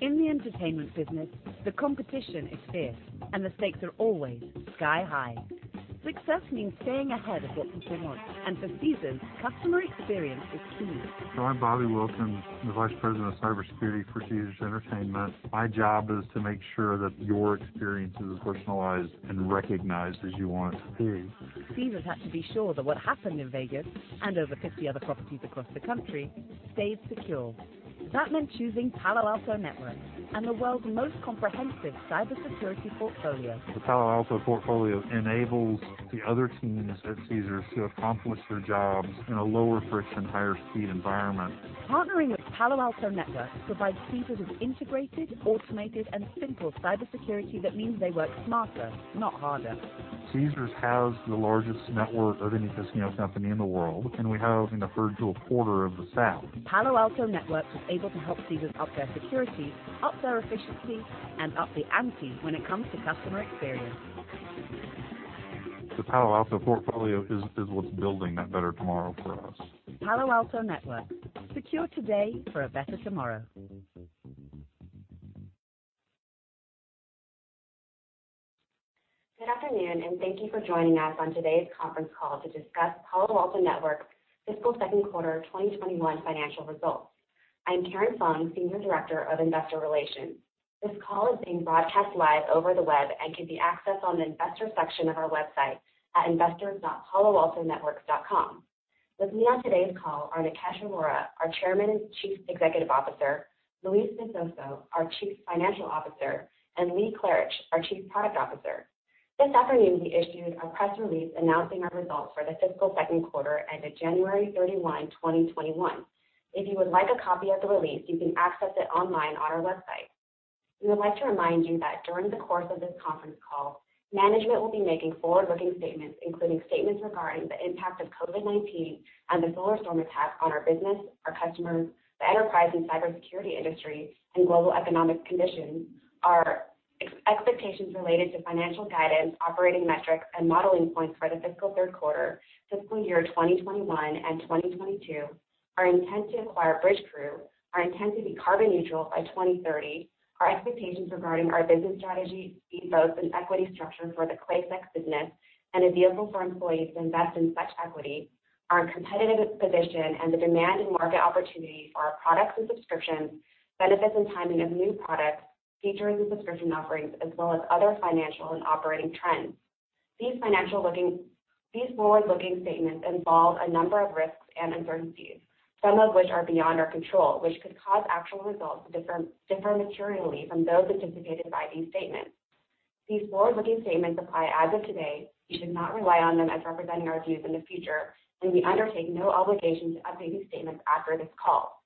In the entertainment business, the competition is fierce and the stakes are always sky high. Success means staying ahead of what people want, and for Caesars, customer experience is key. I'm Bobby Wilkins, the Vice President of Cybersecurity for Caesars Entertainment. My job is to make sure that your experience is as personalized and recognized as you want it to be. Caesars had to be sure that what happened in Vegas, and over 50 other properties across the country, stayed secure. That meant choosing Palo Alto Networks and the world's most comprehensive cybersecurity portfolio. The Palo Alto portfolio enables the other teams at Caesars to accomplish their jobs in a lower-friction, higher-speed environment. Partnering with Palo Alto Networks provides Caesars with integrated, automated, and simple cybersecurity that means they work smarter, not harder. Caesars has the largest network of any casino company in the world, and we have a virtual porter of the South. Palo Alto Networks was able to help Caesars up their security, up their efficiency, and up the ante when it comes to customer experience. The Palo Alto portfolio is what's building that better tomorrow for us. Palo Alto Networks, secure today for a better tomorrow. Good afternoon, thank you for joining us on today's conference call to discuss Palo Alto Networks' fiscal second quarter 2021 financial results. I'm Karen Fung, Senior Director of Investor Relations. This call is being broadcast live over the web and can be accessed on the investor section of our website at investors.paloaltonetworks.com. With me on today's call are Nikesh Arora, our Chairman and Chief Executive Officer, Luis Visoso, our Chief Financial Officer, and Lee Klarich, our Chief Product Officer. This afternoon, we issued a press release announcing our results for the fiscal second quarter ended January 31, 2021. If you would like a copy of the release, you can access it online on our website. We would like to remind you that during the course of this conference call, management will be making forward-looking statements, including statements regarding the impact of COVID-19 and the SolarStorm attack on our business, our customers, the enterprise and cybersecurity industry, and global economic conditions, our expectations related to financial guidance, operating metrics, and modeling points for the fiscal third quarter, fiscal year 2021 and 2022, our intent to acquire Bridgecrew, our intent to be carbon neutral by 2030, our expectations regarding our business strategy, including both an equity structure for the ClaiSec business and a vehicle for employees to invest in such equity, our competitive position and the demand and market opportunity for our products and subscriptions, benefits and timing of new products, features and subscription offerings, as well as other financial and operating trends. These forward-looking statements involve a number of risks and uncertainties, some of which are beyond our control, which could cause actual results to differ materially from those anticipated by these statements. These forward-looking statements apply as of today. You should not rely on them as representing our views in the future, and we undertake no obligation to update these statements after this call.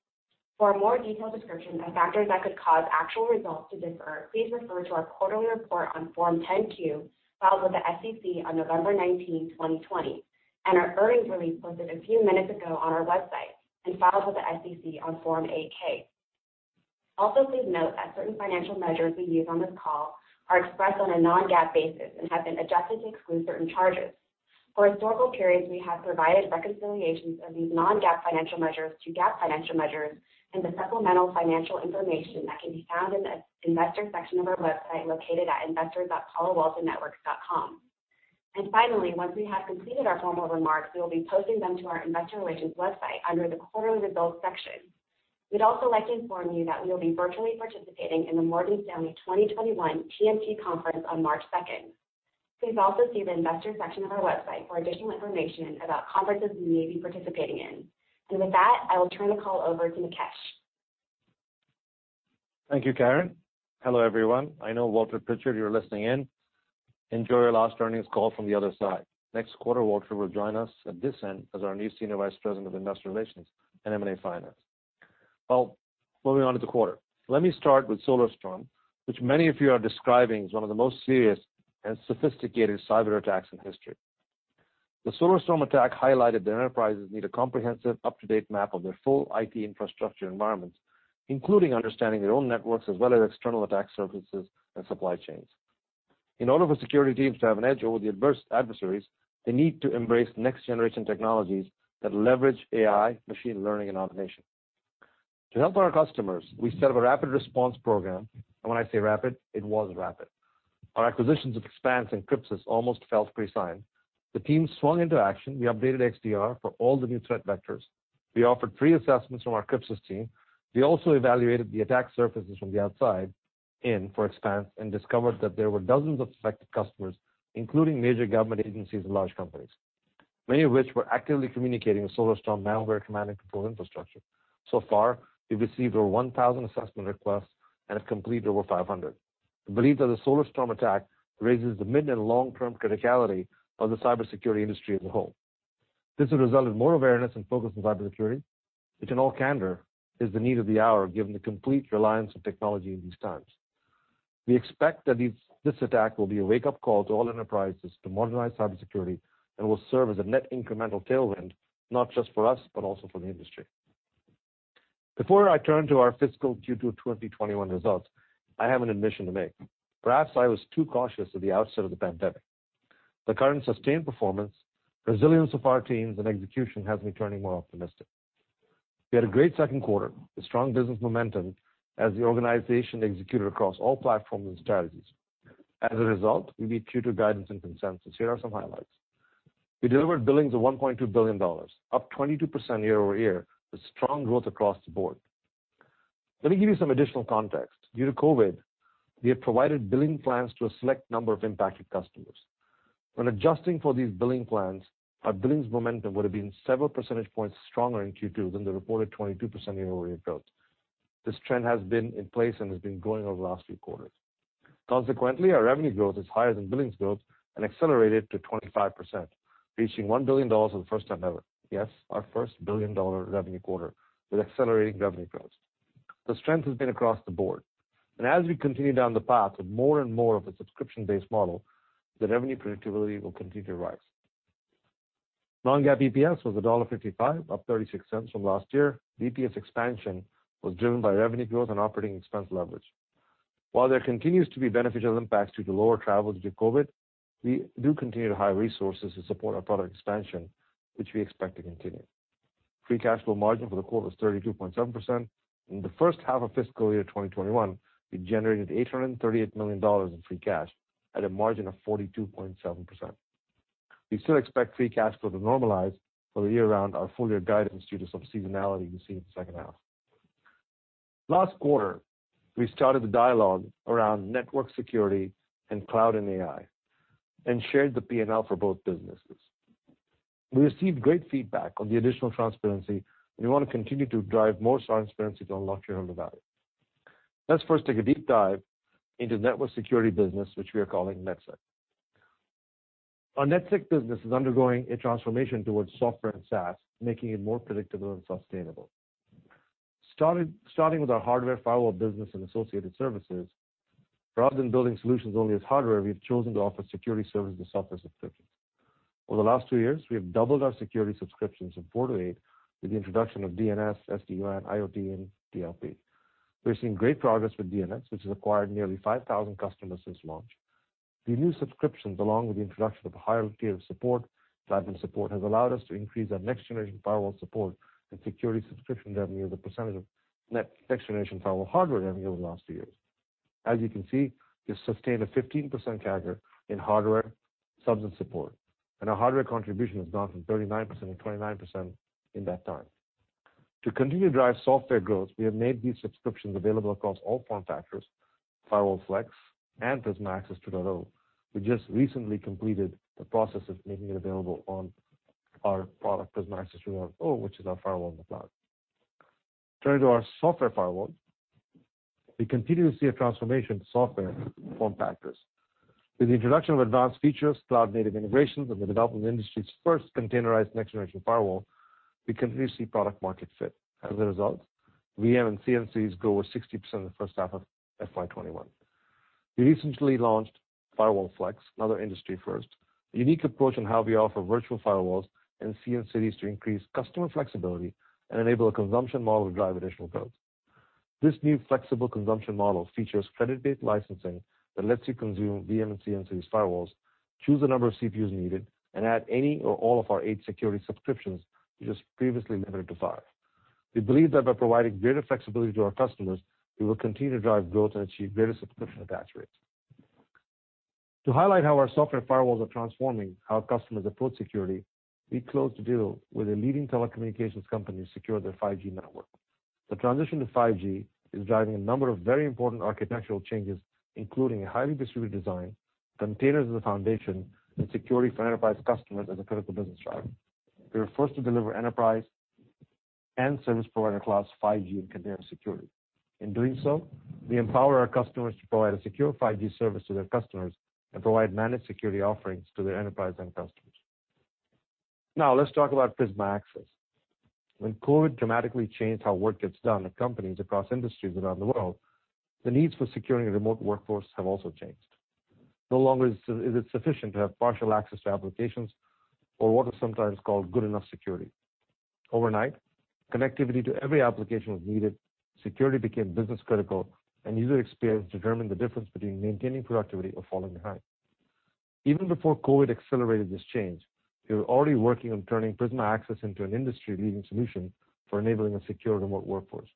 For a more detailed description of factors that could cause actual results to differ, please refer to our quarterly report on Form 10-Q, filed with the SEC on November 19, 2020, and our earnings release posted a few minutes ago on our website and filed with the SEC on Form 8-K. Also, please note that certain financial measures we use on this call are expressed on a non-GAAP basis and have been adjusted to exclude certain charges. For historical periods, we have provided reconciliations of these non-GAAP financial measures to GAAP financial measures in the supplemental financial information that can be found in the investor section of our website located at investors.paloaltonetworks.com. Finally, once we have completed our formal remarks, we will be posting them to our investor relations website under the quarterly results section. We'd also like to inform you that we will be virtually participating in the Morgan Stanley 2021 TMT Conference on March 2nd. Please also see the investor section of our website for additional information about conferences we may be participating in. With that, I will turn the call over to Nikesh. Thank you, Karen. Hello, everyone. I know, Walter Pritchard, you're listening in. Enjoy your last earnings call from the other side. Next quarter, Walter will join us at this end as our new Senior Vice President of investor relations and M&A finance. Well, moving on to the quarter. Let me start with SolarStorm, which many of you are describing as one of the most serious and sophisticated cyberattacks in history. The SolarStorm attack highlighted that enterprises need a comprehensive up-to-date map of their full IT infrastructure environments, including understanding their own networks as well as external attack surfaces and supply chains. In order for security teams to have an edge over the adverse adversaries, they need to embrace next-generation technologies that leverage AI, machine learning, and automation. To help our customers, we set up a rapid response program. When I say rapid, it was rapid. Our acquisitions of Expanse and Crypsis almost felt pre-signed. The team swung into action. We updated XDR for all the new threat vectors. We offered free assessments from our Crypsis team. We also evaluated the attack surfaces from the outside in for Expanse and discovered that there were dozens of affected customers, including major government agencies and large companies, many of which were actively communicating with SolarStorm malware command and control infrastructure. Far, we've received over 1,000 assessment requests and have completed over 500. We believe that the SolarStorm attack raises the mid and long-term criticality of the cybersecurity industry as a whole. This will result in more awareness and focus on cybersecurity, which in all candor, is the need of the hour given the complete reliance on technology in these times. We expect that this attack will be a wake-up call to all enterprises to modernize cybersecurity and will serve as a net incremental tailwind, not just for us, but also for the industry. Before I turn to our fiscal Q2 2021 results, I have an admission to make. Perhaps I was too cautious at the outset of the pandemic. The current sustained performance, resilience of our teams, and execution has me turning more optimistic. We had a great second quarter with strong business momentum as the organization executed across all platforms and strategies. As a result, we beat Q2 guidance and consensus. Here are some highlights. We delivered billings of $1.2 billion, up 22% year-over-year with strong growth across the board. Let me give you some additional context. Due to COVID, we have provided billing plans to a select number of impacted customers. When adjusting for these billing plans, our billings momentum would've been several percentage points stronger in Q2 than the reported 22% year-over-year growth. This trend has been in place and has been growing over the last few quarters. Consequently, our revenue growth is higher than billings growth and accelerated to 25%, reaching $1 billion for the first time ever. Yes, our first billion-dollar revenue quarter with accelerating revenue growth. The strength has been across the board. As we continue down the path of more and more of a subscription-based model, the revenue predictability will continue to rise. Non-GAAP EPS was $1.55 up $0.36 from last year. EPS expansion was driven by revenue growth and operating expense leverage. While there continues to be beneficial impacts due to lower travel due to COVID, we do continue to hire resources to support our product expansion, which we expect to continue. Free cash flow margin for the quarter was 32.7%, and in the first half of fiscal year 2021, we generated $838 million in free cash at a margin of 42.7%. We still expect free cash flow to normalize for the year around our full-year guidance due to some seasonality we see in the second half. Last quarter, we started the dialogue around network security and cloud and AI and shared the P&L for both businesses. We received great feedback on the additional transparency, and we want to continue to drive more transparency to unlock shareholder value. Let's first take a deep dive into the network security business, which we are calling NetSec. Our NetSec business is undergoing a transformation towards software and SaaS, making it more predictable and sustainable. Starting with our hardware firewall business and associated services, rather than building solutions only as hardware, we've chosen to offer security services as software subscriptions. Over the last two years, we have doubled our security subscriptions from four to eight with the introduction of DNS, SD-WAN, IoT, and DLP. We're seeing great progress with DNS, which has acquired nearly 5,000 customers since launch. The new subscriptions, along with the introduction of a higher tier of support, platinum support, has allowed us to increase our next-generation firewall support and security subscription revenue as a percentage of net next-generation firewall hardware revenue over the last two years. As you can see, we've sustained a 15% CAGR in hardware subs and support, and our hardware contribution has gone from 39%-29% in that time. To continue to drive software growth, we have made these subscriptions available across all form factors, Firewall Flex and Prisma Access 2.0. We just recently completed the process of making it available on our product, Prisma Access 2.0, which is our firewall in the cloud. Turning to our software firewall, we continue to see a transformation to software form factors. With the introduction of advanced features, cloud-native integrations, and the development of the industry's first containerized next-generation firewall, we continue to see product market fit. As a result, VM and CN-Series grew over 60% in the first half of FY 2021. We recently launched Firewall Flex, another industry first, a unique approach on how we offer virtual firewalls and CN-Series to increase customer flexibility and enable a consumption model to drive additional growth. This new flexible consumption model features credit-based licensing that lets you consume VM-Series and CN-Series firewalls, choose the number of CPUs needed, and add any or all of our eight security subscriptions we just previously limited to five. We believe that by providing greater flexibility to our customers, we will continue to drive growth and achieve greater subscription attach rates. To highlight how our software firewalls are transforming how customers approach security, we closed a deal with a leading telecommunications company to secure their 5G network. The transition to 5G is driving a number of very important architectural changes, including a highly distributed design, containers as a foundation, and security for enterprise customers as a critical business driver. We were forced to deliver enterprise and service provider class 5G and container security. In doing so, we empower our customers to provide a secure 5G service to their customers and provide managed security offerings to their enterprise end customers. Let's talk about Prisma Access. When COVID dramatically changed how work gets done at companies across industries around the world, the needs for securing a remote workforce have also changed. No longer is it sufficient to have partial access to applications or what is sometimes called good enough security. Overnight, connectivity to every application was needed, security became business critical, and user experience determined the difference between maintaining productivity or falling behind. Even before COVID accelerated this change, we were already working on turning Prisma Access into an industry-leading solution for enabling a secure remote workforce.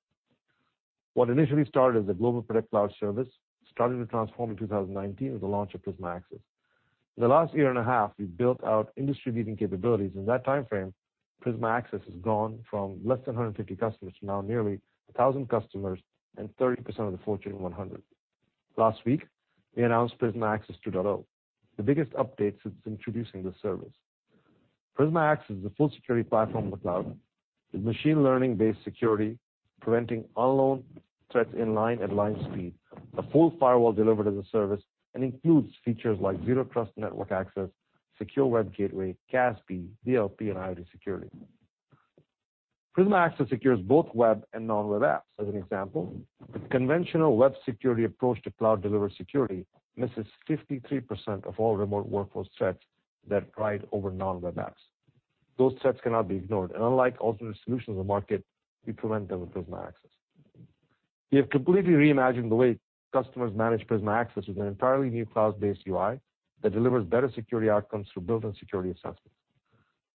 What initially started as a GlobalProtect cloud service started to transform in 2019 with the launch of Prisma Access. In the last year and a half, we've built out industry-leading capabilities. In that timeframe, Prisma Access has gone from less than 150 customers to now nearly 1,000 customers and 30% of the Fortune 100. Last week, we announced Prisma Access 2.0, the biggest update since introducing the service. Prisma Access is a full security platform in the cloud with machine learning-based security, preventing unknown threats in line at line speed, a full firewall delivered as a service, and includes features like Zero Trust Network Access, secure web gateway, CASB, DLP, and IoT Security. Prisma Access secures both web and non-web apps. As an example, the conventional web security approach to cloud delivered security misses 53% of all remote workforce threats that ride over non-web apps. Those threats cannot be ignored, and unlike alternate solutions on the market, we prevent them with Prisma Access. We have completely reimagined the way customers manage Prisma Access with an entirely new cloud-based UI that delivers better security outcomes through built-in security assessments.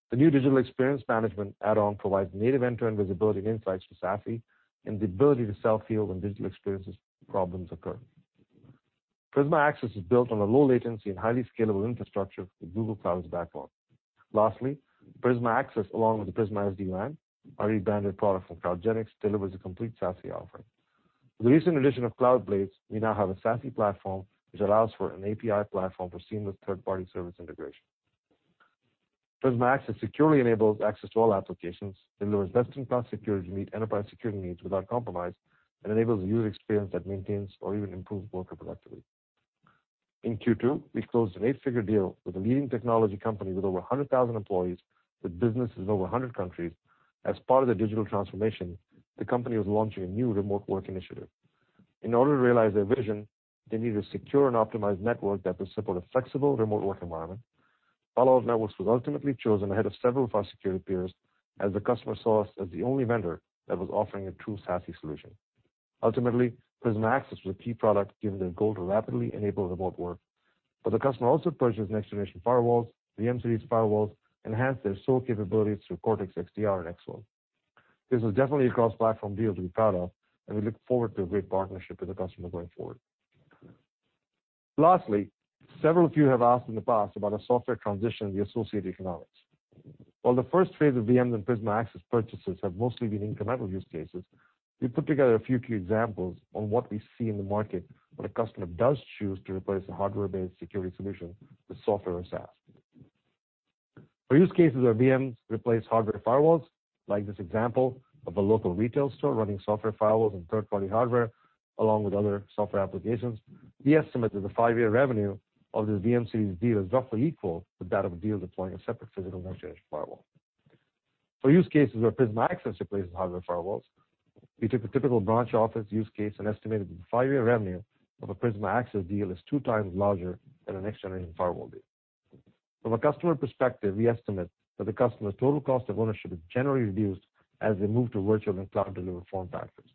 The new digital experience management add-on provides native end-to-end visibility and insights for SASE and the ability to self-heal when digital experiences problems occur. Prisma Access is built on a low latency and highly scalable infrastructure with Google Cloud as the backbone. Lastly, Prisma Access, along with the Prisma SD-WAN, our rebranded product from CloudGenix, delivers a complete SASE offering. With the recent addition of CloudBlades, we now have a SASE platform, which allows for an API platform for seamless third-party service integration. Prisma Access securely enables access to all applications, delivers best-in-class security to meet enterprise security needs without compromise, and enables a user experience that maintains or even improves worker productivity. In Q2, we closed an eight-figure deal with a leading technology company with over 100,000 employees with businesses in over 100 countries. As part of their digital transformation, the company was launching a new remote work initiative. In order to realize their vision, they need a secure and optimized network that will support a flexible remote work environment. Palo Alto Networks was ultimately chosen ahead of several of our security peers as the customer saw us as the only vendor that was offering a true SASE solution. Ultimately, Prisma Access was a key product given their goal to rapidly enable remote work. The customer also purchased next-generation firewalls, the VM-Series firewalls, enhanced their SOAR capabilities through Cortex XDR and Cortex XSOAR. This was definitely a cross-platform deal to be proud of, and we look forward to a great partnership with the customer going forward. Lastly, several of you have asked in the past about a software transition and the associated economics. While the first phase of VM-Series and Prisma Access purchases have mostly been incremental use cases, we put together a few key examples on what we see in the market when a customer does choose to replace a hardware-based security solution with software or SaaS. For use cases where VMs replace hardware firewalls, like this example of a local retail store running software firewalls on third-party hardware along with other software applications, we estimate that the five-year revenue of this VM-Series deal is roughly equal to that of a deal deploying a separate physical next-generation firewall. For use cases where Prisma Access replaces hardware firewalls, we took a typical branch office use case and estimated that the five-year revenue of a Prisma Access deal is 2x larger than a next-generation firewall deal. From a customer perspective, we estimate that the customer's total cost of ownership is generally reduced as they move to virtual and cloud-delivered form factors.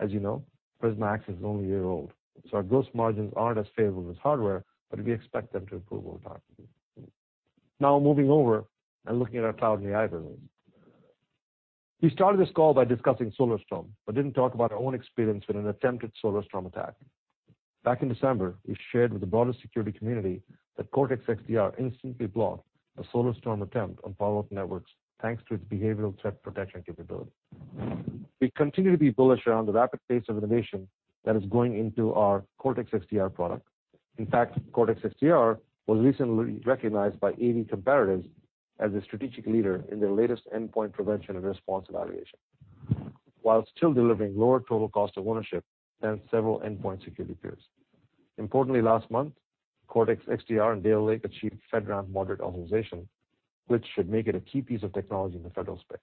As you know, Prisma Access is only a year old, so our gross margins aren't as favorable as hardware, but we expect them to improve over time. Moving over and looking at our Cloud and AI view. We started this call by discussing SolarStorm, but didn't talk about our own experience with an attempted SolarStorm attack. Back in December, we shared with the broader security community that Cortex XDR instantly blocked a SolarStorm attempt on Palo Alto Networks thanks to its behavioral threat protection capability. We continue to be bullish around the rapid pace of innovation that is going into our Cortex XDR product. In fact, Cortex XDR was recently recognized by AV-Comparatives as a strategic leader in their latest endpoint prevention and response evaluation while still delivering lower total cost of ownership than several endpoint security peers. Importantly, last month, Cortex XDR and Cortex Data Lake achieved FedRAMP moderate authorization, which should make it a key piece of technology in the federal space.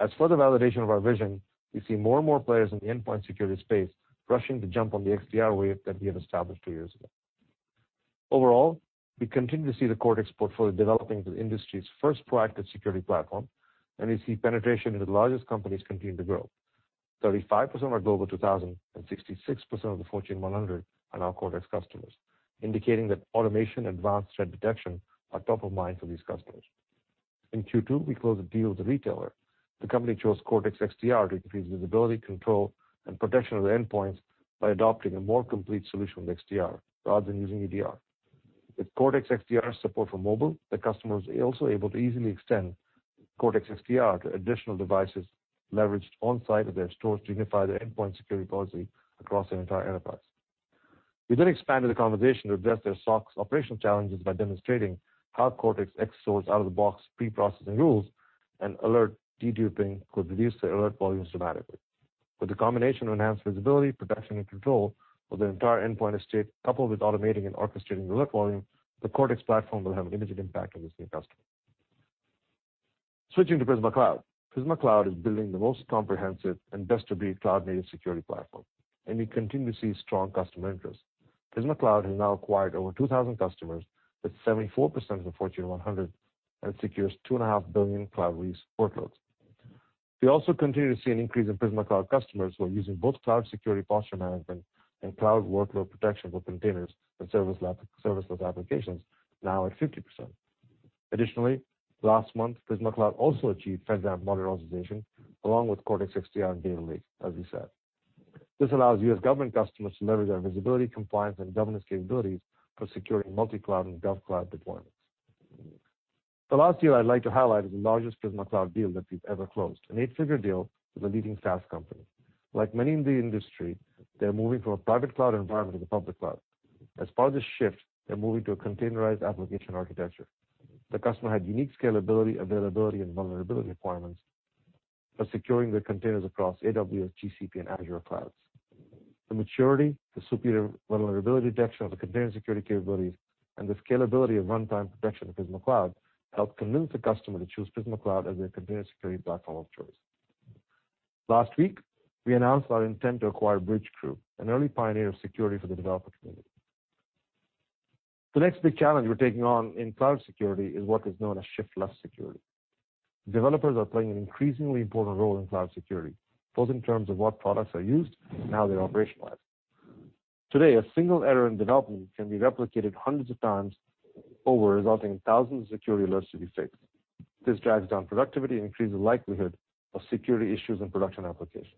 As further validation of our vision, we see more and more players in the endpoint security space rushing to jump on the XDR wave that we have established two years ago. Overall, we continue to see the Cortex portfolio developing into the industry's first proactive security platform, and we see penetration into the largest companies continue to grow. 35% of our Global 2000 and 66% of the Fortune 100 are now Cortex customers, indicating that automation and advanced threat detection are top of mind for these customers. In Q2, we closed a deal with a retailer. The company chose Cortex XDR to increase visibility, control, and protection of their endpoints by adopting a more complete solution with XDR rather than using EDR. With Cortex XDR support for mobile, the customer was also able to easily extend Cortex XDR to additional devices leveraged on-site at their stores to unify their endpoint security policy across their entire enterprise. We expanded the conversation to address their SOC operational challenges by demonstrating how Cortex XSOAR's out-of-the-box pre-processing rules and alert deduping could reduce their alert volume dramatically. With the combination of enhanced visibility, protection, and control of their entire endpoint estate, coupled with automating and orchestrating the alert volume, the Cortex platform will have an immediate impact on this new customer. Switching to Prisma Cloud. Prisma Cloud is building the most comprehensive and best-of-breed cloud-native security platform, and we continue to see strong customer interest. Prisma Cloud has now acquired over 2,000 customers, with 74% of the Fortune 100, and secures 2.5 billion cloud-based workloads. We also continue to see an increase in Prisma Cloud customers who are using both cloud security posture management and cloud workload protection for containers and serverless applications now at 50%. Additionally, last month, Prisma Cloud also achieved FedRAMP moderate authorization along with Cortex XDR and Data Lake, as we said. This allows U.S. government customers to leverage our visibility, compliance, and governance capabilities for securing multi-cloud and gov cloud deployments. The last deal I'd like to highlight is the largest Prisma Cloud deal that we've ever closed, an eight-figure deal with a leading SaaS company. Like many in the industry, they're moving from a private cloud environment to the public cloud. As part of this shift, they're moving to a containerized application architecture. The customer had unique scalability, availability, and vulnerability requirements for securing their containers across AWS, GCP, and Azure clouds. The maturity, the superior vulnerability detection of the container security capabilities, and the scalability of runtime protection of Prisma Cloud helped convince the customer to choose Prisma Cloud as their container security platform of choice. Last week, we announced our intent to acquire Bridgecrew, an early pioneer of security for the developer community. The next big challenge we're taking on in cloud security is what is known as shift-left security. Developers are playing an increasingly important role in cloud security, both in terms of what products are used and how they're operationalized. Today, a single error in development can be replicated hundreds of times over, resulting in thousands of security alerts to be fixed. This drives down productivity and increases the likelihood of security issues in production applications.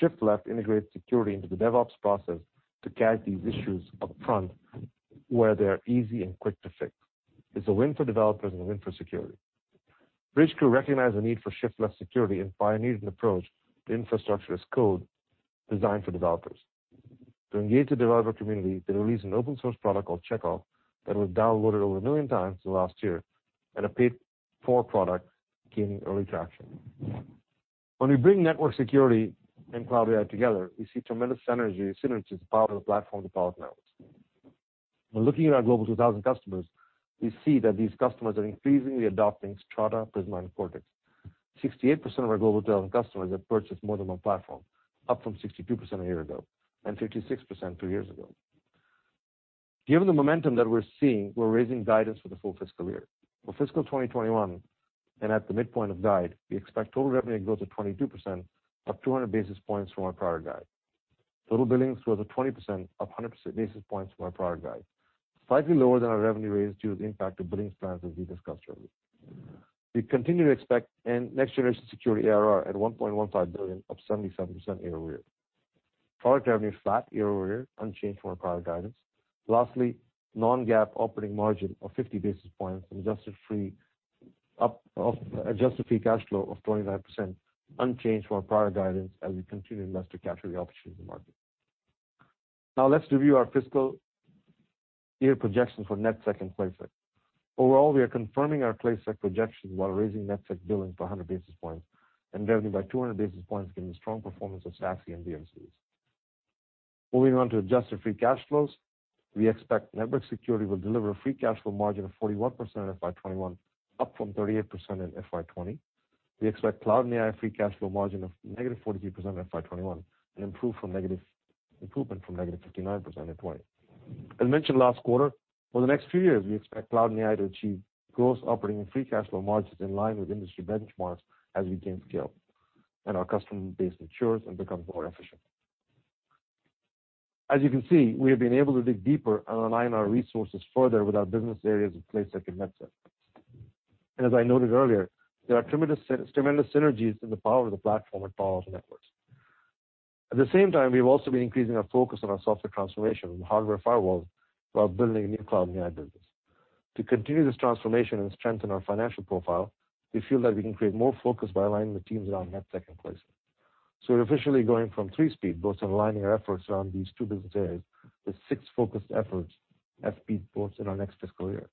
Shift-left integrates security into the DevOps process to catch these issues upfront where they are easy and quick to fix. It's a win for developers and a win for security. Bridgecrew recognized the need for shift-left security and pioneered an approach to infrastructure as code designed for developers. To engage the developer community, they released an open-source product called Checkov that was downloaded over a million times in the last year, and a paid-for product gaining early traction. When we bring network security and cloud AI together, we see tremendous synergies, the power of the platform, the power of the networks. When looking at our Global 2000 customers, we see that these customers are increasingly adopting Strata, Prisma, and Cortex. 68% of our Global 2000 customers have purchased more than one platform, up from 62% a year ago, and 56% two years ago. Given the momentum that we're seeing, we're raising guidance for the full fiscal year. For fiscal 2021 and at the midpoint of guide, we expect total revenue growth of 22%, up 200 basis points from our prior guide. Total billings towards the 20%, up 100 basis points from our prior guide, slightly lower than our revenue raise due to the impact of billings plans as we discussed earlier. We continue to expect next generation security ARR at $1.15 billion, up 77% year-over-year. Product revenue flat year-over-year, unchanged from our prior guidance. Lastly, non-GAAP operating margin of 50 basis points and adjusted free cash flow of 29%, unchanged from our prior guidance as we continue to invest to capture the opportunity in the market. Let's review our fiscal year projections for NetSec and ClaSec. Overall, we are confirming our ClaSec projections while raising NetSec billing for 100 basis points and revenue by 200 basis points given the strong performance of SASE and VMs. Moving on to adjusted free cash flows, we expect network security will deliver a free cash flow margin of 41% in FY 2021, up from 38% in FY 2020. We expect cloud and AI free cash flow margin of negative 43% in FY 2021, an improvement from -59% in 2020. As mentioned last quarter, for the next few years, we expect cloud and AI to achieve gross operating and free cash flow margins in line with industry benchmarks as we gain scale and our customer base matures and becomes more efficient. As you can see, we have been able to dig deeper and align our resources further with our business areas of ClaSec and NetSec. As I noted earlier, there are tremendous synergies in the power of the platform and power of the networks. At the same time, we've also been increasing our focus on our software transformation and hardware firewalls while building a new cloud and AI business. To continue this transformation and strengthen our financial profile, we feel that we can create more focus by aligning the teams around NetSec and ClaSec. We're officially going from three speed boats aligning our efforts around these two business areas to six focused efforts, speed boats in our next fiscal year.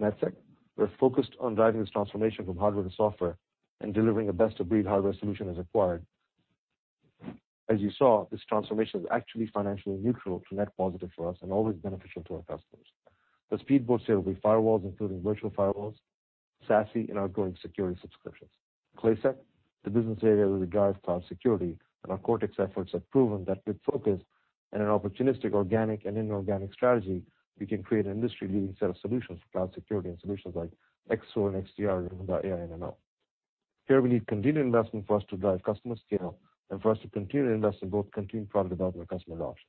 NetSec, we're focused on driving this transformation from hardware to software and delivering a best-of-breed hardware solution as acquired. As you saw, this transformation is actually financially neutral to net positive for us and always beneficial to our customers. The speed boat sale will be firewalls, including virtual firewalls, SASE, and outgoing security subscriptions. ClaSec, the business area with regards to cloud security and our Cortex efforts have proven that with focus and an opportunistic, organic and inorganic strategy, we can create an industry-leading set of solutions for cloud security and solutions like XSOAR and XDR with AI and ML. We need continued investment for us to drive customer scale and for us to continue to invest in both continued product development and customer adoption.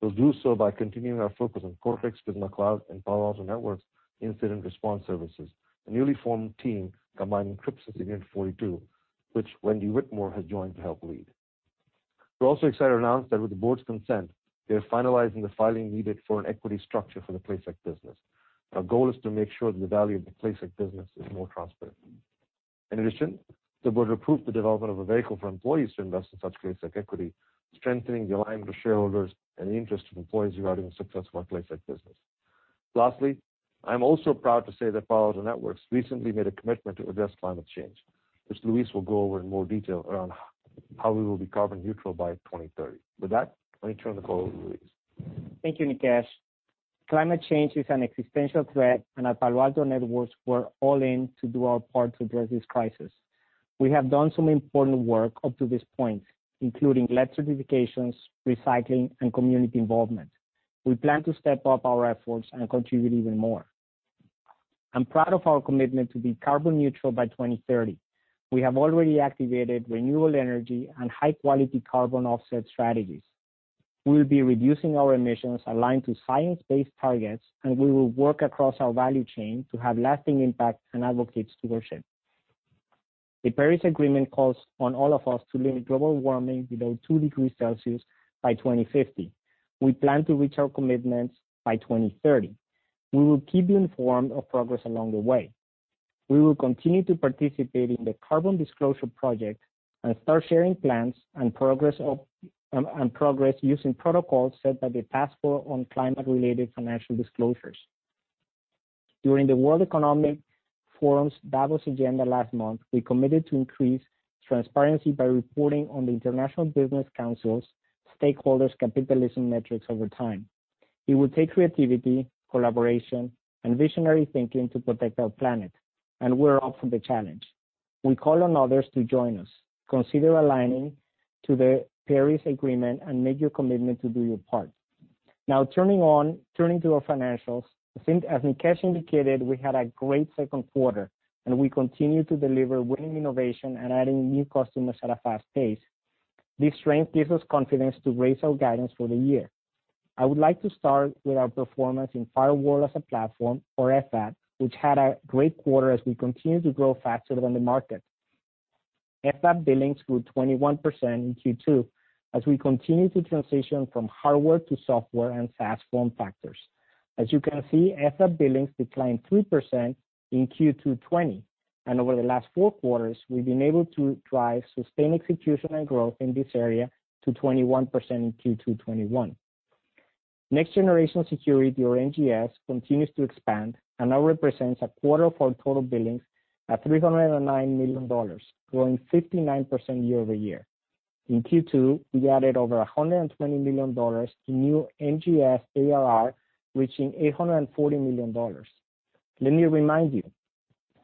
We'll do so by continuing our focus on Cortex, Prisma Cloud, and Palo Alto Networks Unit 42 Incident Response Services, a newly formed team combining Crypsis and Unit 42, which Wendi Whitmore has joined to help lead. We're also excited to announce that with the board's consent, we are finalizing the filing needed for an equity structure for the ClaSec business. Our goal is to make sure that the value of the PlaySec business is more transparent. In addition, the board approved the development of a vehicle for employees to invest in such PlaySec equity, strengthening the alignment of shareholders and the interest of employees regarding the success of our PlaySec business. Lastly, I'm also proud to say that Palo Alto Networks recently made a commitment to address climate change, which Luis will go over in more detail around how we will be carbon neutral by 2030. With that, let me turn the call over to Luis. Thank you, Nikesh. Climate change is an existential threat, and at Palo Alto Networks, we're all in to do our part to address this crisis. We have done some important work up to this point, including lead certifications, recycling, and community involvement. We plan to step up our efforts and contribute even more. I'm proud of our commitment to be carbon neutral by 2030. We have already activated renewable energy and high-quality carbon offset strategies. We will be reducing our emissions aligned to science-based targets, and we will work across our value chain to have lasting impact and advocate stewardship. The Paris Agreement calls on all of us to limit global warming below 2 degrees Celsius by 2050. We plan to reach our commitments by 2030. We will keep you informed of progress along the way. We will continue to participate in the Carbon Disclosure Project and start sharing plans and progress using protocols set by the Task Force on Climate-related Financial Disclosures. During the World Economic Forum's Davos agenda last month, we committed to increase transparency by reporting on the International Business Council's stakeholders' capitalism metrics over time. It will take creativity, collaboration, and visionary thinking to protect our planet. We're up for the challenge. We call on others to join us. Consider aligning to the Paris Agreement. Make your commitment to do your part. Turning to our financials. I think as Nikesh indicated, we had a great second quarter. We continue to deliver winning innovation and adding new customers at a fast pace. This strength gives us confidence to raise our guidance for the year. I would like to start with our performance in Firewall as a Platform, or FaaP, which had a great quarter as we continue to grow faster than the market. FaaP billings grew 21% in Q2 as we continue to transition from hardware to software and SaaS form factors. As you can see, FaaP billings declined 3% in Q2 2020, and over the last four quarters, we've been able to drive sustained execution and growth in this area to 21% in Q2 2021. Next Generation Security, or NGS, continues to expand and now represents a quarter of our total billings at $309 million, growing 59% year-over-year. In Q2, we added over $120 million in new NGS ARR, reaching $840 million. Let me remind you,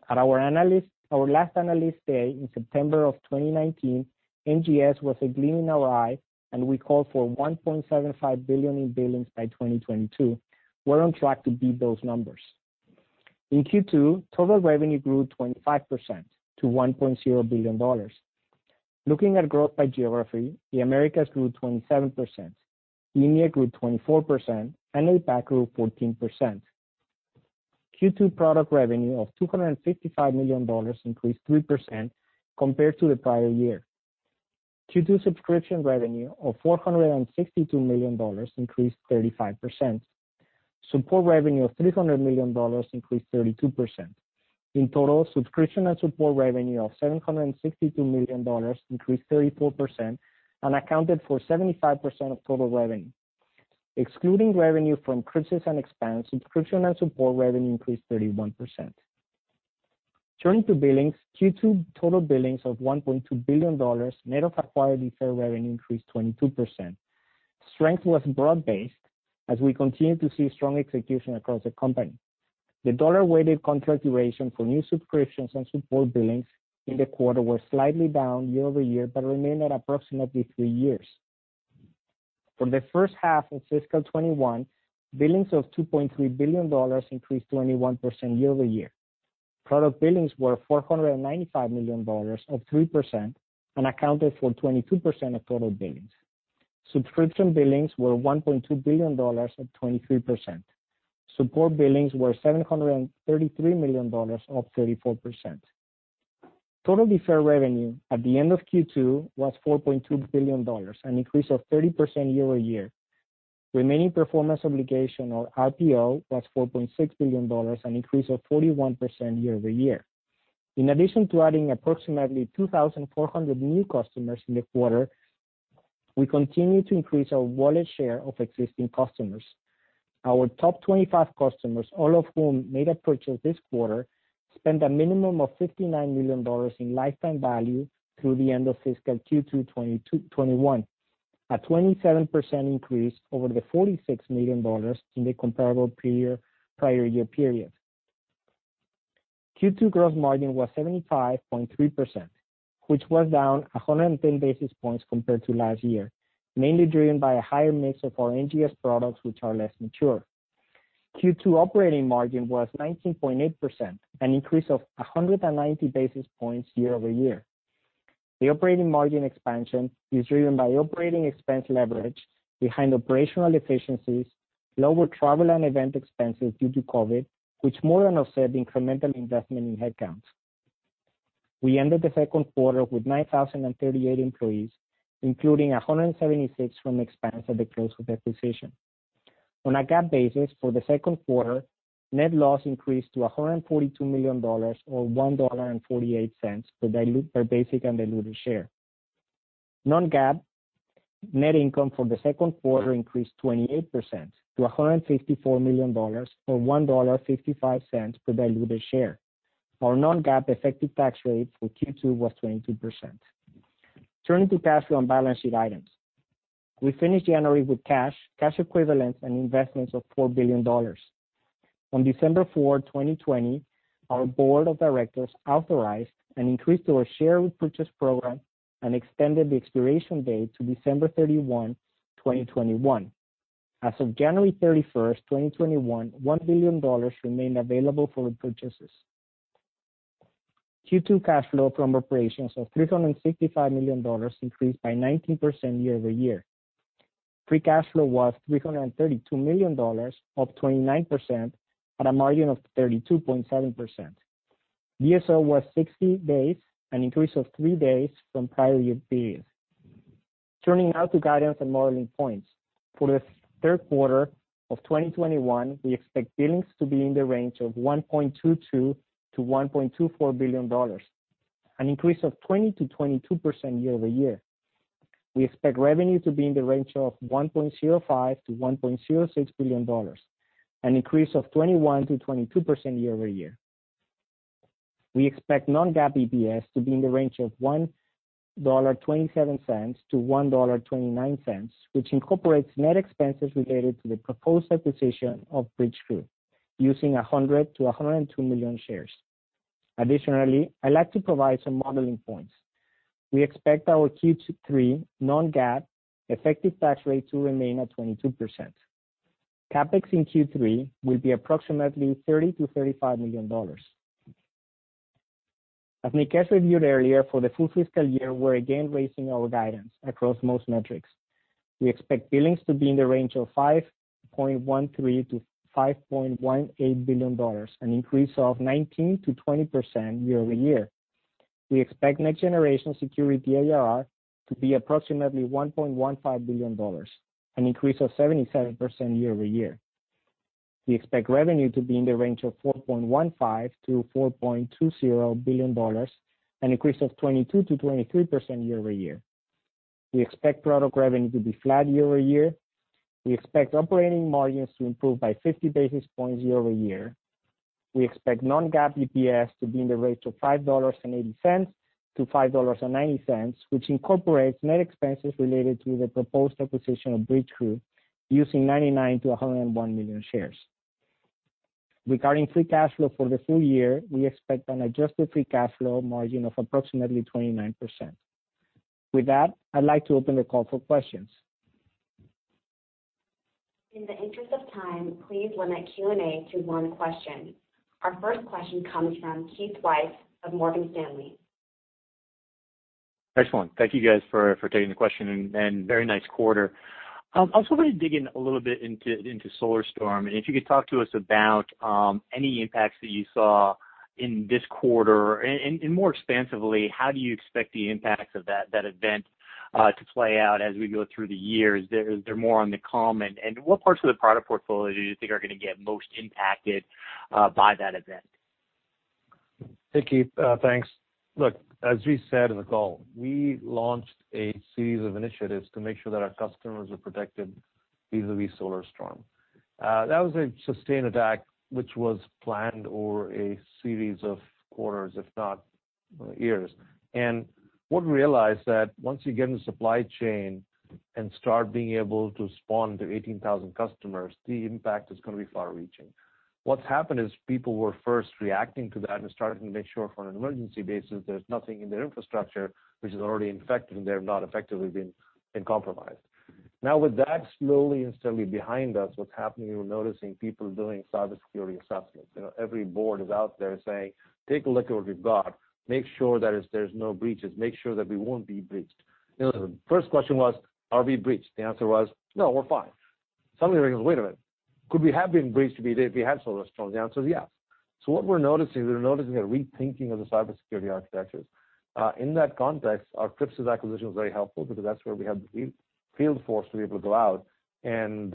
at our last Analyst Day in September of 2019, NGS was a gleam in our eye, and we called for $1.75 billion in billings by 2022. We're on track to beat those numbers. In Q2, total revenue grew 25% to $1.0 billion. Looking at growth by geography, the Americas grew 27%, EMEA grew 24%, and APAC grew 14%. Q2 product revenue of $255 million increased 3% compared to the prior year. Q2 subscription revenue of $462 million increased 35%. Support revenue of $300 million increased 32%. In total, subscription and support revenue of $762 million increased 34% and accounted for 75% of total revenue. Excluding revenue from Expanse, subscription and support revenue increased 31%. Turning to billings, Q2 total billings of $1.2 billion net of acquired deferred revenue increased 22%. Strength was broad-based as we continue to see strong execution across the company. The dollar-weighted contract duration for new subscriptions and support billings in the quarter were slightly down year-over-year but remain at approximately three years. For the first half in fiscal 2021, billings of $2.3 billion increased 21% year-over-year. Product billings were $495 million, up 3%, and accounted for 22% of total billings. Subscription billings were $1.2 billion, up 23%. Support billings were $733 million, up 34%. Total deferred revenue at the end of Q2 was $4.2 billion, an increase of 30% year-over-year. Remaining performance obligation or RPO was $4.6 billion, an increase of 41% year-over-year. In addition to adding approximately 2,400 new customers in the quarter, we continue to increase our wallet share of existing customers. Our top 25 customers, all of whom made a purchase this quarter, spent a minimum of $59 million in lifetime value through the end of fiscal Q2 2021, a 27% increase over the $46 million in the comparable prior year period. Q2 gross margin was 75.3%, which was down 110 basis points compared to last year, mainly driven by a higher mix of our NGS products, which are less mature. Q2 operating margin was 19.8%, an increase of 190 basis points year-over-year. The operating margin expansion is driven by operating expense leverage behind operational efficiencies, lower travel and event expenses due to COVID, which more than offset the incremental investment in headcounts. We ended the second quarter with 9,038 employees, including 176 from Expanse at the close of the acquisition. On a GAAP basis for the second quarter, net loss increased to $142 million, or $1.48 per basic and diluted share. Non-GAAP net income for the second quarter increased 28% to $154 million, or $1.55 per diluted share. Our non-GAAP effective tax rate for Q2 was 22%. Turning to cash and balance sheet items. We finished January with cash equivalents, and investments of $4 billion. On December 4, 2020, our board of directors authorized an increase to our share repurchase program and extended the expiration date to December 31, 2021. As of January 31st, 2021, $1 billion remained available for repurchases. Q2 cash flow from operations of $365 million increased by 19% year-over-year. Free cash flow was $332 million, up 29%, at a margin of 32.7%. DSO was 60 days, an increase of three days from prior year period. Turning now to guidance and modeling points. For the third quarter of 2021, we expect billings to be in the range of $1.22 billion-$1.24 billion, an increase of 20%-22% year-over-year. We expect revenue to be in the range of $1.05 billion-$1.06 billion, an increase of 21%-22% year-over-year. We expect non-GAAP EPS to be in the range of $1.27-$1.29, which incorporates net expenses related to the proposed acquisition of Bridgecrew. Using 100-102 million shares. I'd like to provide some modeling points. We expect our Q3 non-GAAP effective tax rate to remain at 22%. CapEx in Q3 will be approximately $30 million-$35 million. As Nikesh reviewed earlier, for the full fiscal year, we're again raising our guidance across most metrics. We expect billings to be in the range of $5.13 billion-$5.18 billion, an increase of 19%-20% year-over-year. We expect Next Generation Security ARR to be approximately $1.15 billion, an increase of 77% year-over-year. We expect revenue to be in the range of $4.15 billion-$4.20 billion, an increase of 22%-23% year-over-year. We expect product revenue to be flat year-over-year. We expect operating margins to improve by 50 basis points year-over-year. We expect non-GAAP EPS to be in the range of $5.80-$5.90, which incorporates net expenses related to the proposed acquisition of Bridgecrew using 99-101 million shares. Regarding free cash flow for the full year, we expect an adjusted free cash flow margin of approximately 29%. With that, I'd like to open the call for questions. In the interest of time, please limit Q&A to one question. Our first question comes from Keith Weiss of Morgan Stanley. Excellent. Thank you guys for taking the question, and very nice quarter. I just wanted to dig in a little bit into SolarStorm, and if you could talk to us about any impacts that you saw in this quarter, and more expansively, how do you expect the impacts of that event to play out as we go through the year? Is there more on the come, and what parts of the product portfolio do you think are going to get most impacted by that event? Hey, Keith. Thanks. Look, as we said in the call, we launched a series of initiatives to make sure that our customers are protected vis-a-vis SolarStorm. That was a sustained attack which was planned over a series of quarters, if not years. What we realized that once you get in the supply chain and start being able to respond to 18,000 customers, the impact is going to be far-reaching. What's happened is people were first reacting to that and starting to make sure for an emergency basis, there's nothing in their infrastructure which is already infected, and they've not effectively been compromised. Now with that slowly and steadily behind us, what's happening, we're noticing people doing cybersecurity assessments. Every board is out there saying, take a look at what we've got. Make sure that there's no breaches. Make sure that we won't be breached. The first question was, are we breached? The answer was, no, we're fine. Suddenly they're going, wait a minute. Could we have been breached if we had SolarStorm? The answer is yes. What we're noticing, we're noticing a rethinking of the cybersecurity architectures. In that context, our Expanse's acquisition was very helpful because that's where we have the field force to be able to go out and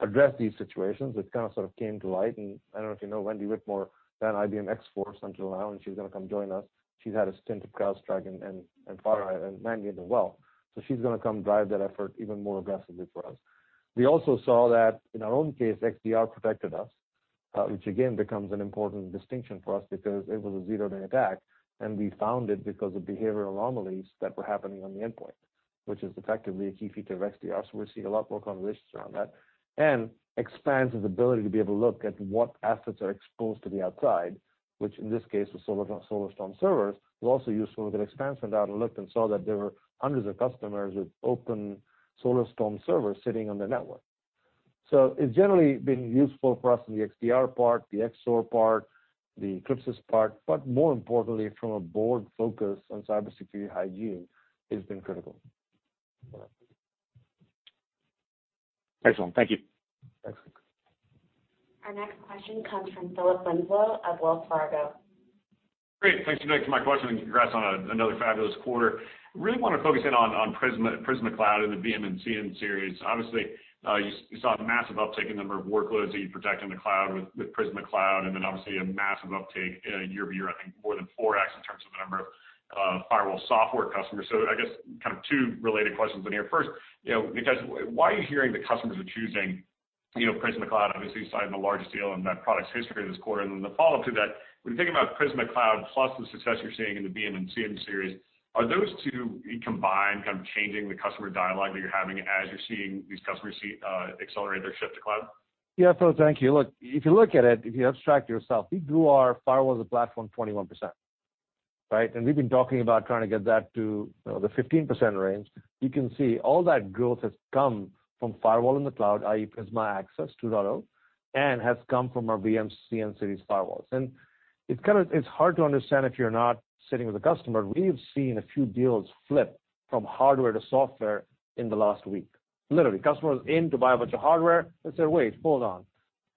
address these situations, which kind of sort of came to light. I don't know if you know Wendi Whitmore, ran IBM X-Force on Long Island. She's going to come join us. She's had a stint at CrowdStrike and FireEye and Mandiant as well. She's going to come drive that effort even more aggressively for us. We also saw that in our own case, XDR protected us, which again becomes an important distinction for us because it was a zero-day attack, and we found it because of behavioral anomalies that were happening on the endpoint, which is effectively a key feature of XDR. We see a lot more conversations around that. Expanse's ability to be able to look at what assets are exposed to the outside, which in this case was SolarStorm servers, was also useful that Expanse went out and looked and saw that there were hundreds of customers with open SolarStorm servers sitting on their network. It's generally been useful for us in the XDR part, the XSOAR part, the Crypsis part, but more importantly, from a board focus on cybersecurity hygiene, it's been critical. Excellent. Thank you. Excellent. Our next question comes from Philip Nelson of Wells Fargo. Great. Thanks, Nikesh, for my question, congrats on another fabulous quarter. Really want to focus in on Prisma Cloud and the VM-Series and CN-Series. Obviously, you saw a massive uptake in number of workloads that you protect in the cloud with Prisma Cloud, obviously a massive uptake year-over-year, I think more than 4x in terms of the number of firewall software customers. I guess kind of two related questions in here. First, because why are you hearing that customers are choosing Prisma Cloud, obviously signing the largest deal in that product's history this quarter? The follow-up to that, when you think about Prisma Cloud plus the success you're seeing in the VM-Series and CN-Series, are those two combined kind of changing the customer dialogue that you're having as you're seeing these customers accelerate their shift to cloud? Yeah, Phil, thank you. Look, if you look at it, if you abstract yourself, we grew our firewall as a platform 21%. Right? We've been talking about trying to get that to the 15% range. You can see all that growth has come from firewall in the cloud, i.e. Prisma Access 2.0, and has come from our VM CN series firewalls. It's hard to understand if you're not sitting with a customer. We've seen a few deals flip from hardware to software in the last week. Literally, customer's in to buy a bunch of hardware, they said, wait, hold on.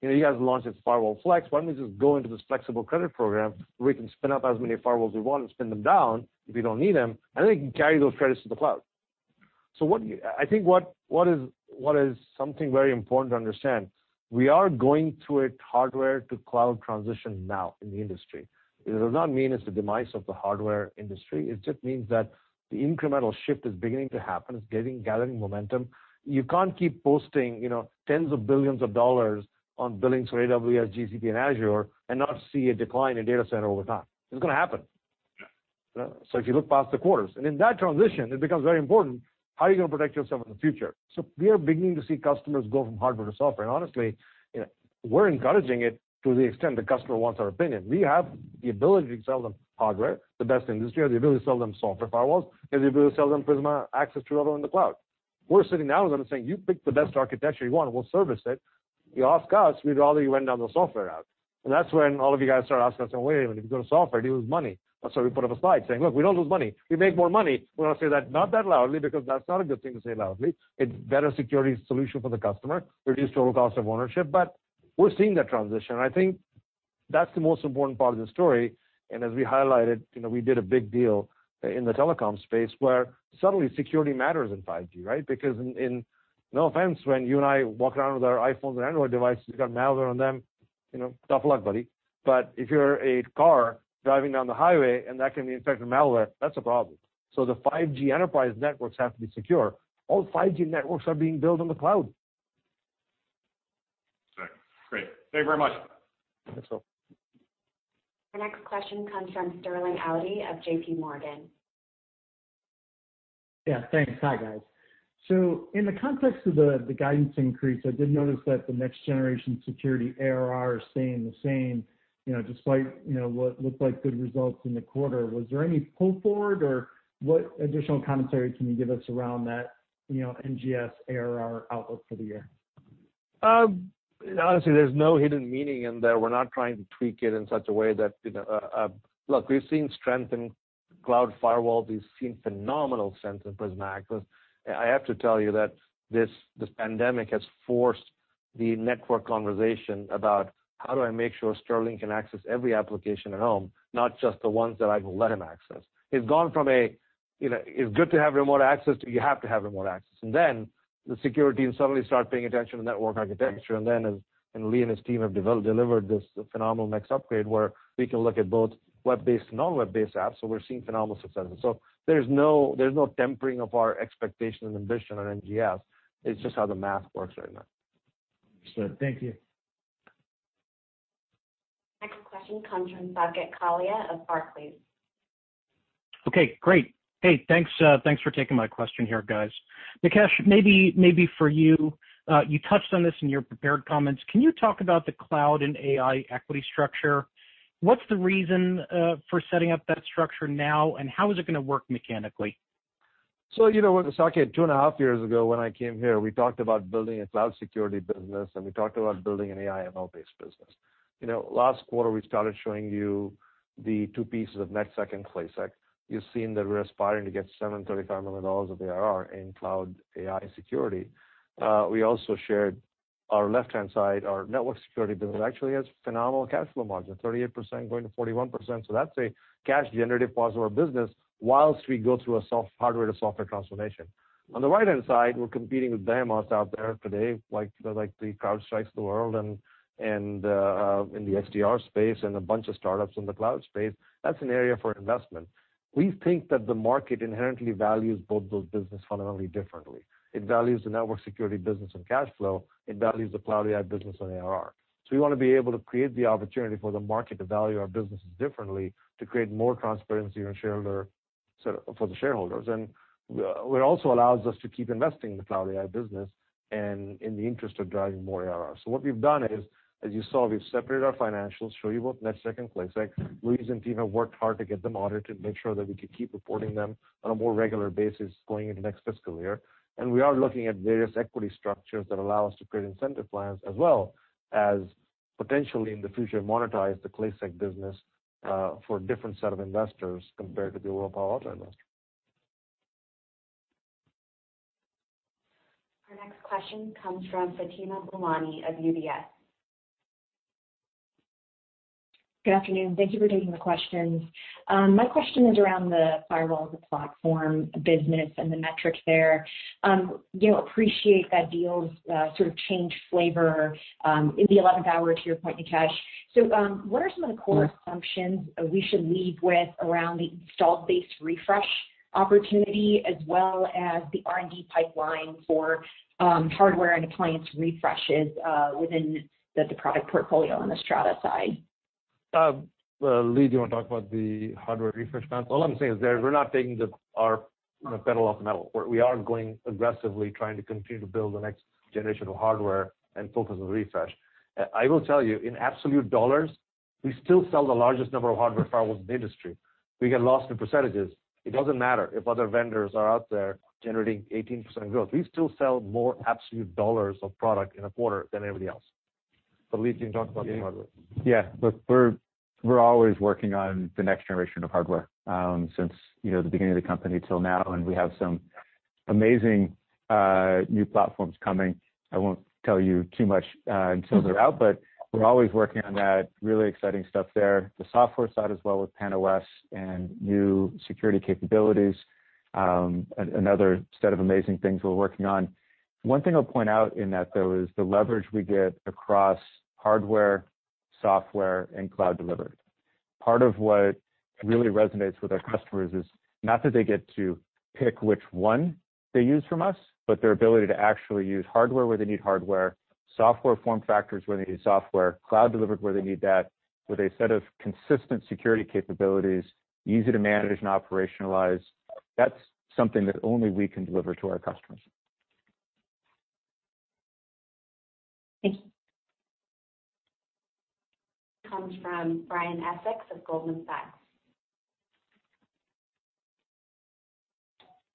You guys launched this Firewall Flex. Why don't we just go into this Firewall Flex where we can spin up as many firewalls we want and spin them down if we don't need them, and then carry those credits to the cloud? I think what is something very important to understand, we are going through a hardware to cloud transition now in the industry. It does not mean it's the demise of the hardware industry. It just means that the incremental shift is beginning to happen. It's gathering momentum. You can't keep posting $10s of billions on billings for AWS, GCP, and Azure and not see a decline in data center over time. It's going to happen. If you look past the quarters. In that transition, it becomes very important, how are you going to protect yourself in the future? We are beginning to see customers go from hardware to software. Honestly, we're encouraging it to the extent the customer wants our opinion. We have the ability to sell them hardware, the best in the industry, we have the ability to sell them software firewalls. We have the ability to sell them Prisma Access to whatever in the cloud. We're sitting down with them saying, you pick the best architecture you want, and we'll service it. You ask us, we'd rather you went down the software route. That's when all of you guys started asking us, saying, wait a minute, if you go to software, you lose money. That's why we put up a slide saying, look, we don't lose money. We make more money. We want to say that not that loudly, because that's not a good thing to say loudly. It's better security solution for the customer, reduced total cost of ownership. We're seeing that transition, and I think that's the most important part of the story. As we highlighted, we did a big deal in the telecom space where suddenly security matters in 5G, right? No offense, when you and I walk around with our iPhones and Android devices, you got malware on them, tough luck, buddy. If you're a car driving down the highway and that can be infected with malware, that's a problem. The 5G enterprise networks have to be secure. All 5G networks are being built on the cloud. Right. Great. Thank you very much. Thanks Phil. The next question comes from Sterling Auty of JPMorgan. Yeah, thanks. Hi, guys. In the context of the guidance increase, I did notice that the Next Generation Security ARR is staying the same despite what looked like good results in the quarter. Was there any pull-forward or what additional commentary can you give us around that, NGS ARR outlook for the year? Honestly, there's no hidden meaning in there. We're not trying to tweak it in such a way that we've seen strength in cloud firewall. We've seen phenomenal strength in Prisma Access. I have to tell you that this pandemic has forced the network conversation about how do I make sure Sterling can access every application at home, not just the ones that I will let him access. It's gone from it's good to have remote access to you have to have remote access. The security teams suddenly start paying attention to network architecture and then as Lee and his team have delivered this phenomenal next upgrade where we can look at both web-based and non-web-based apps. We're seeing phenomenal success. There's no tempering of our expectation and ambition on NGS. It's just how the math works right now. Understood. Thank you. Next question comes from Saket Kalia of Barclays. Okay, great. Hey, thanks for taking my question here, guys. Nikesh, maybe for you touched on this in your prepared comments. Can you talk about the cloud and AI equity structure? What's the reason for setting up that structure now, and how is it going to work mechanically? Saket, two and a half years ago when I came here, we talked about building a cloud security business, and we talked about building an AI ML-based business. Last quarter, we started showing you the two pieces of NetSec and ClaSec. You've seen that we're aspiring to get $735 million of ARR in cloud AI security. We also shared our left-hand side, our network security business actually has phenomenal cash flow margin, 38% going to 41%. That's a cash generative part of our business whilst we go through a hardware to software transformation. On the right-hand side, we're competing with them all out there today, like the CrowdStrikes of the world and in the XDR space and a bunch of startups in the cloud space. That's an area for investment. We think that the market inherently values both those business fundamentally differently. It values the network security business and cash flow. It values the cloud AI business on ARR. We want to be able to create the opportunity for the market to value our businesses differently, to create more transparency for the shareholders. It also allows us to keep investing in the cloud AI business and in the interest of driving more ARR. What we've done is, as you saw, we've separated our financials, show you both NetSec and ClaSec. Luis and team have worked hard to get them audited, make sure that we could keep reporting them on a more regular basis going into next fiscal year. We are looking at various equity structures that allow us to create incentive plans as well as potentially in the future monetize the ClaSec business for a different set of investors compared to the Palo Alto investor. Our next question comes from Fatima Boolani of UBS. Good afternoon. Thank you for taking the questions. My question is around the Firewall as a Platform business and the metrics there. Appreciate that deals sort of change flavor in the 11th hour, to your point, Nikesh. What are some of the core assumptions we should leave with around the install-based refresh opportunity as well as the R&D pipeline for hardware and appliance refreshes within the product portfolio on the Strata side? Lee, do you want to talk about the hardware refresh plans? All I'm saying is we're not taking our pedal off the metal. We are going aggressively trying to continue to build the next generation of hardware and focus on refresh. I will tell you, in absolute dollars, we still sell the largest number of hardware firewalls in the industry. We get lost in percentages. It doesn't matter if other vendors are out there generating 18% growth. We still sell more absolute dollars of product in a quarter than anybody else. Lee, can you talk about the hardware? Yeah. Look, we're always working on the next generation of hardware since the beginning of the company till now. We have some amazing new platforms coming. I won't tell you too much until they're out, but we're always working on that. Really exciting stuff there. The software side as well with PAN-OS and new security capabilities, another set of amazing things we're working on. One thing I'll point out in that, though, is the leverage we get across hardware, software, and cloud delivered. Part of what really resonates with our customers is not that they get to pick which one they use from us, but their ability to actually use hardware where they need hardware. Software form factors where they need software, cloud delivered where they need that, with a set of consistent security capabilities, easy to manage and operationalize. That's something that only we can deliver to our customers. Thank you. Next comes from Brian Essex of Goldman Sachs.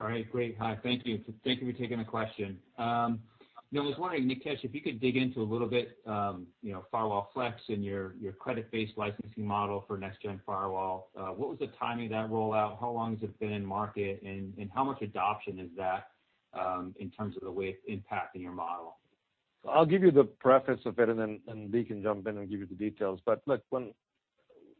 All right, great. Hi, thank you. Thank you for taking the question. I was wondering, Nikesh, if you could dig into a little bit, Firewall Flex and your credit-based licensing model for next-gen firewall. What was the timing of that rollout? How long has it been in market, and how much adoption is that in terms of the way it's impacting your model? I'll give you the preface of it, and then Lee can jump in and give you the details. Look,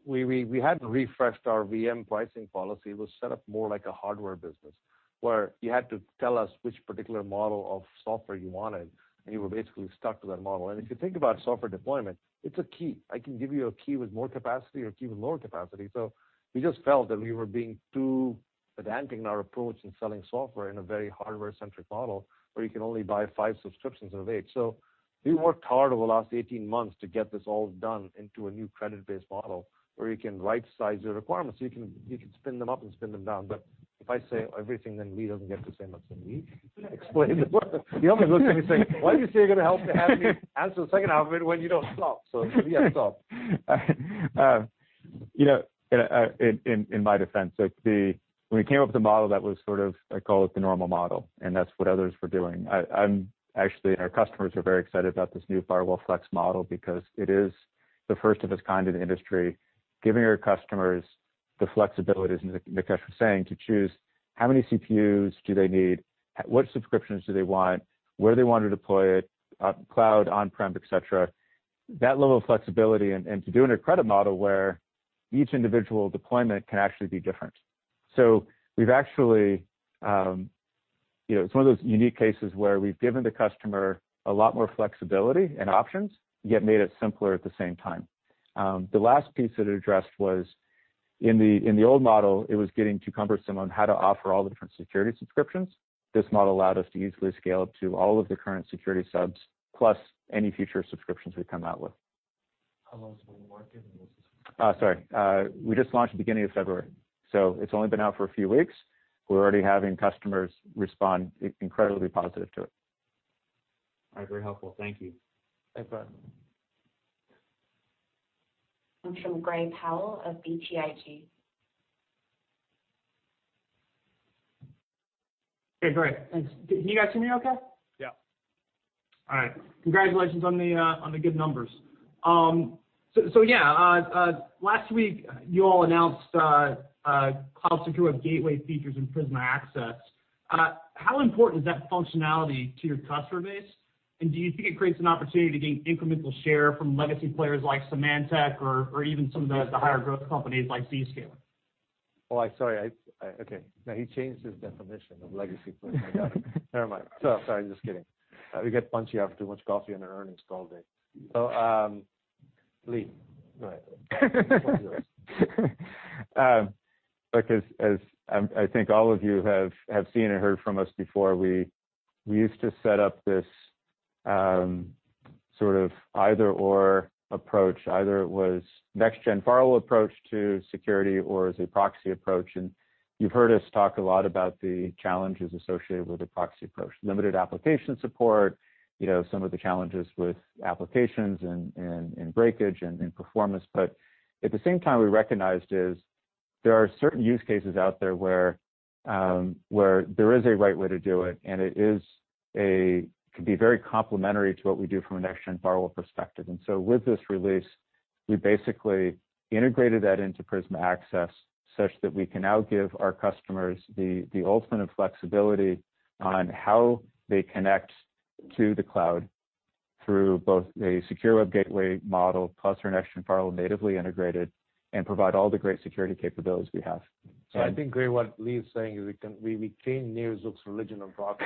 we hadn't refreshed our VM pricing policy. It was set up more like a hardware business, where you had to tell us which particular model of software you wanted, and you were basically stuck to that model. If you think about software deployment, it's a key. I can give you a key with more capacity or a key with lower capacity. We just felt that we were being too pedantic in our approach in selling software in a very hardware-centric model where you can only buy five subscriptions of eight. We worked hard over the last 18 months to get this all done into a new credit-based model where you can right-size your requirements. You can spin them up and spin them down. If I say everything, then Lee doesn't get to say much. Lee, explain. He always looks at me saying, why do you say you're going to help me answer the second half of it when you don't stop? Lee, yeah, stop. In my defense, when we came up with the model that was sort of, I call it the normal model, and that's what others were doing. Actually, our customers are very excited about this new Firewall Flex model because it is the first of its kind in the industry, giving our customers the flexibilities, as Nikesh was saying, to choose how many CPUs do they need, what subscriptions do they want, where they want to deploy it, cloud, on-prem, et cetera. That level of flexibility and to do it in a credit model where each individual deployment can actually be different. It's one of those unique cases where we've given the customer a lot more flexibility and options, yet made it simpler at the same time. The last piece that it addressed was, in the old model, it was getting too cumbersome on how to offer all the different security subscriptions. This model allowed us to easily scale up to all of the current security subs, plus any future subscriptions we come out with. How long has it been working? Sorry. We just launched at the beginning of February. It's only been out for a few weeks. We're already having customers respond incredibly positive to it. All right. Very helpful. Thank you. Thanks, Brian. Next from Gray Powell of BTIG. Hey, great. Thanks. Can you guys hear me okay? Yeah. All right. Congratulations on the good numbers. Last week, you all announced Cloud Secure Web Gateway features in Prisma Access. How important is that functionality to your customer base, and do you think it creates an opportunity to gain incremental share from legacy players like Symantec or even some of the higher growth companies like Zscaler? Oh, sorry. Okay. Now he changed his definition of legacy players. Never mind. Sorry, I'm just kidding. We get punchy after too much coffee on an earnings call day. Lee, go ahead. Look, as I think all of you have seen and heard from us before, we used to set up this either/or approach. Either it was next-gen firewall approach to security or as a proxy approach, and you've heard us talk a lot about the challenges associated with a proxy approach. Limited application support, some of the challenges with applications and breakage and performance. At the same time, we recognized is there are certain use cases out there where there is a right way to do it, and it could be very complementary to what we do from a next-gen firewall perspective. With this release, we basically integrated that into Prisma Access such that we can now give our customers the ultimate flexibility on how they connect to the cloud through both a secure web gateway model plus our next-gen firewall natively integrated and provide all the great security capabilities we have. I think, Gray, what Lee is saying is we became Nir Zuk's religion on proxy.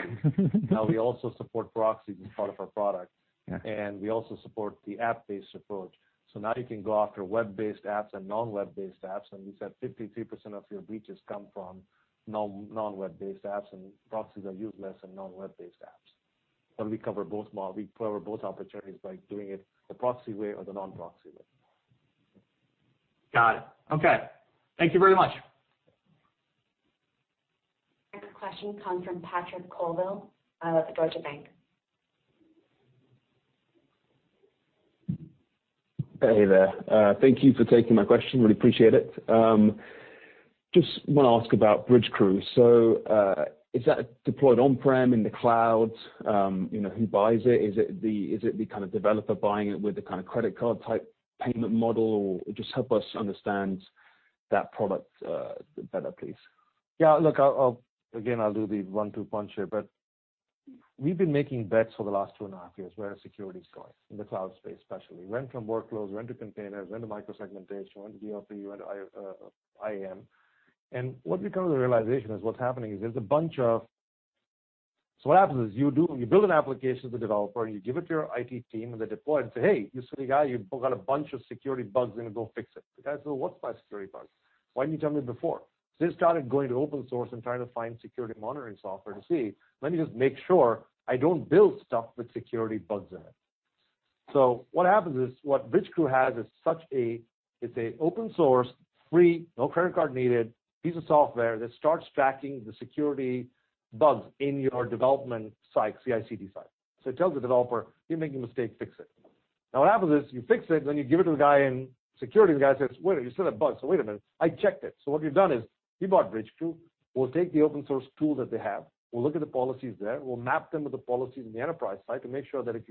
Now we also support proxies as part of our product. Yeah. We also support the app-based approach. Now you can go after web-based apps and non-web-based apps, and we said 53% of your breaches come from non-web-based apps, and proxies are useless on non-web-based apps. We cover both opportunities by doing it the proxy way or the non-proxy way. Got it. Okay. Thank you very much. Next question comes from Patrick Colville of Deutsche Bank. Hey there. Thank you for taking my question. Really appreciate it. Just want to ask about Bridgecrew. Is that deployed on-prem, in the cloud? Who buys it? Is it the kind of developer buying it with the credit card type payment model? Just help us understand that product better, please. Yeah, look, again, I'll do the one-two punch here. We've been making bets for the last two and a half years where security is going, in the cloud space especially. When to workflows, when to containers, when to micro-segmentation, when to DLP, when to IAM. What we've come to the realization is what's happening is what happens is you build an application as a developer, and you give it to your IT team, and they deploy it and say, hey, you silly guy, you've got a bunch of security bugs in it. Go fix it. The guy says, well, what's my security bugs? Why didn't you tell me before? They started going to open source and trying to find security monitoring software to see, let me just make sure I don't build stuff with security bugs in it. What happens is what Bridgecrew has is a open source, free, no credit card needed, piece of software that starts tracking the security bugs in your development site, CI/CD site. It tells the developer, you're making a mistake, fix it. Now what happens is you fix it, then you give it to the guy in security, the guy says, wait, you still have bugs. Wait a minute, I checked it. What we've done is we bought Bridgecrew. We'll take the open source tool that they have, we'll look at the policies there, we'll map them with the policies in the enterprise site to make sure that if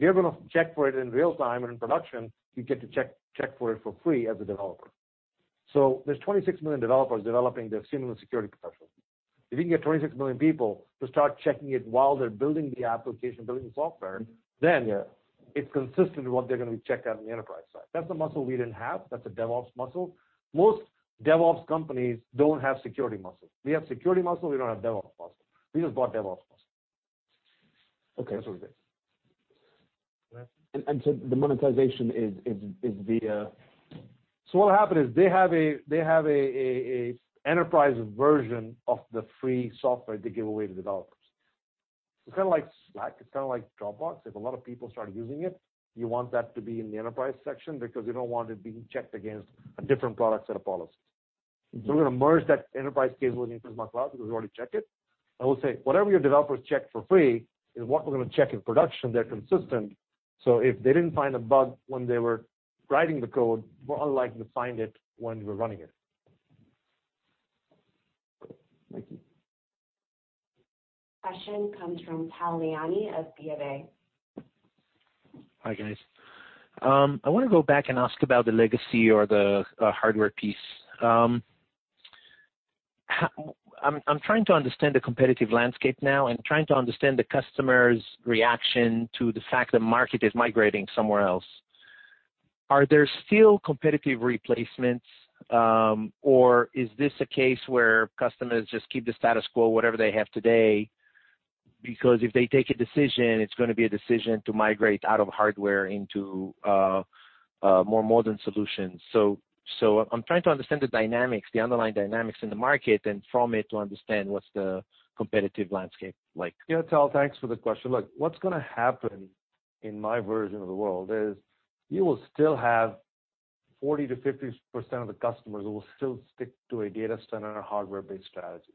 you're going to check for it in real time and in production, you get to check for it for free as a developer. There's 26 million developers developing their similar security professional. If you can get 26 million people to start checking it while they're building the application, building the software, then it's consistent with what they're going to be checking on the enterprise side. That's the muscle we didn't have. That's a DevOps muscle. Most DevOps companies don't have security muscle. We have security muscle, we don't have DevOps muscle. We just bought DevOps muscle. Okay. That's what it is. Go ahead. What will happen is they have a enterprise version of the free software they give away to developers. It's like Slack. It's like Dropbox. If a lot of people start using it, you want that to be in the enterprise section because you don't want it being checked against a different product set of policies. We're going to merge that enterprise capability into my cloud because we've already checked it, and we'll say, whatever your developers check for free is what we're going to check in production. They're consistent, if they didn't find a bug when they were writing the code, more than likely to find it when we're running it. Thank you. Question comes from Tal Liani of BofA. Hi, guys. I want to go back and ask about the legacy or the hardware piece. I'm trying to understand the competitive landscape now and trying to understand the customer's reaction to the fact the market is migrating somewhere else. Are there still competitive replacements? Is this a case where customers just keep the status quo, whatever they have today, because if they take a decision, it's going to be a decision to migrate out of hardware into more modern solutions. I'm trying to understand the underlying dynamics in the market, and from it, to understand what's the competitive landscape like. Yeah, Tal, thanks for the question. Look, what's going to happen in my version of the world is you will still have 40%-50% of the customers who will still stick to a data center and a hardware-based strategy.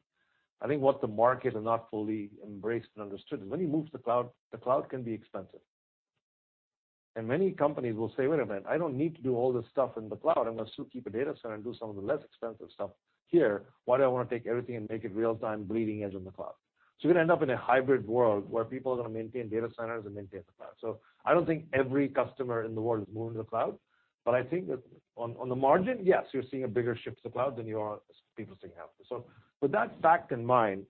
I think what the market has not fully embraced and understood is when you move to the cloud, the cloud can be expensive. Many companies will say, wait a minute, I don't need to do all this stuff in the cloud. I'm going to still keep a data center and do some of the less expensive stuff here. Why do I want to take everything and make it real time bleeding edge in the cloud? You're going to end up in a hybrid world where people are going to maintain data centers and maintain the cloud. I don't think every customer in the world is moving to the cloud, but I think that on the margin, yes, you're seeing a bigger shift to the cloud than you are people staying after. With that fact in mind,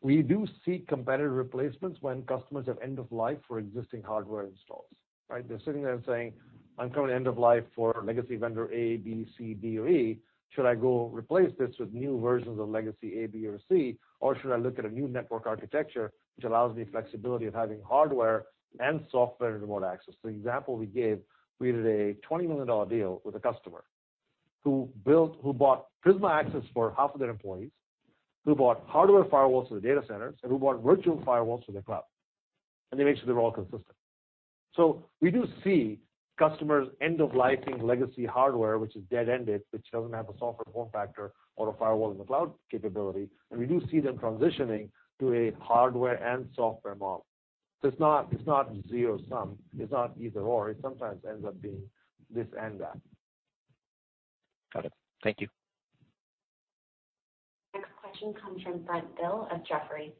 we do see competitive replacements when customers have end of life for existing hardware installs, right? They're sitting there saying, I'm coming end of life for legacy vendor A, B, C, D, or E. Should I go replace this with new versions of legacy A, B, or C? Or should I look at a new network architecture which allows me flexibility of having hardware and software and remote access? The example we gave, we did a $20 million deal with a customer who bought Prisma Access for half of their employees, who bought hardware firewalls for the data centers, and who bought virtual firewalls for the cloud. They make sure they're all consistent. We do see customers end-of-lifing legacy hardware, which is dead ended, which doesn't have a software form factor or a firewall in the cloud capability. We do see them transitioning to a hardware and software model. It's not zero-sum, it's not either/or. It sometimes ends up being this and that. Got it. Thank you. Next question comes from Brent Thill of Jefferies.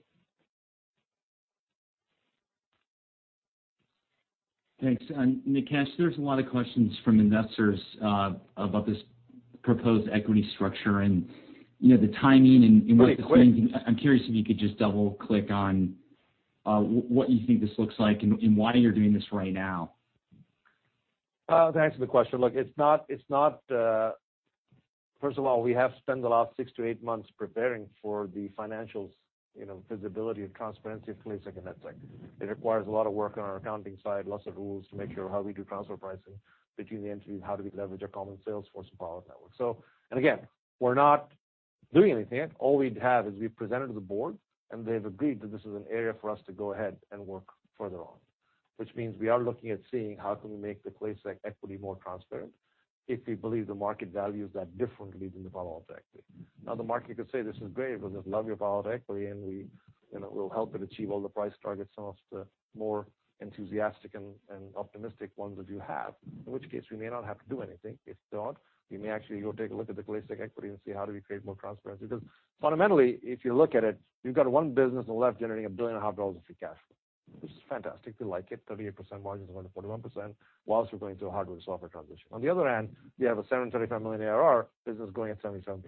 Thanks. Nikesh, there's a lot of questions from investors about this proposed equity structure and the timing. Right, quick. I'm curious if you could just double click on what you think this looks like and why you're doing this right now. Thanks for the question. First of all, we have spent the last six to eight months preparing for the financials visibility and transparency of Classic and NetSec. It requires a lot of work on our accounting side, lots of rules to make sure how we do transfer pricing between the entities, how do we leverage our common sales force and product network. Again, we're not doing anything yet. All we have is we presented to the board, they've agreed that this is an area for us to go ahead and work further on, which means we are looking at seeing how can we make the Classic equity more transparent if we believe the market values that differently than the Palo Alto equity. The market could say, this is great. We just love your Palo Alto equity, we'll help it achieve all the price targets, some of the more enthusiastic and optimistic ones that you have. In which case, we may not have to do anything. If not, we may actually go take a look at the Classic equity and see how do we create more transparency. Fundamentally, if you look at it, you've got one business on the left generating a billion and a half dollars of free cash flow, which is fantastic. We like it, 38% margins going to 41%, whilst we're going through a hardware to software transition. On the other hand, you have a $735 million ARR business growing at 77%.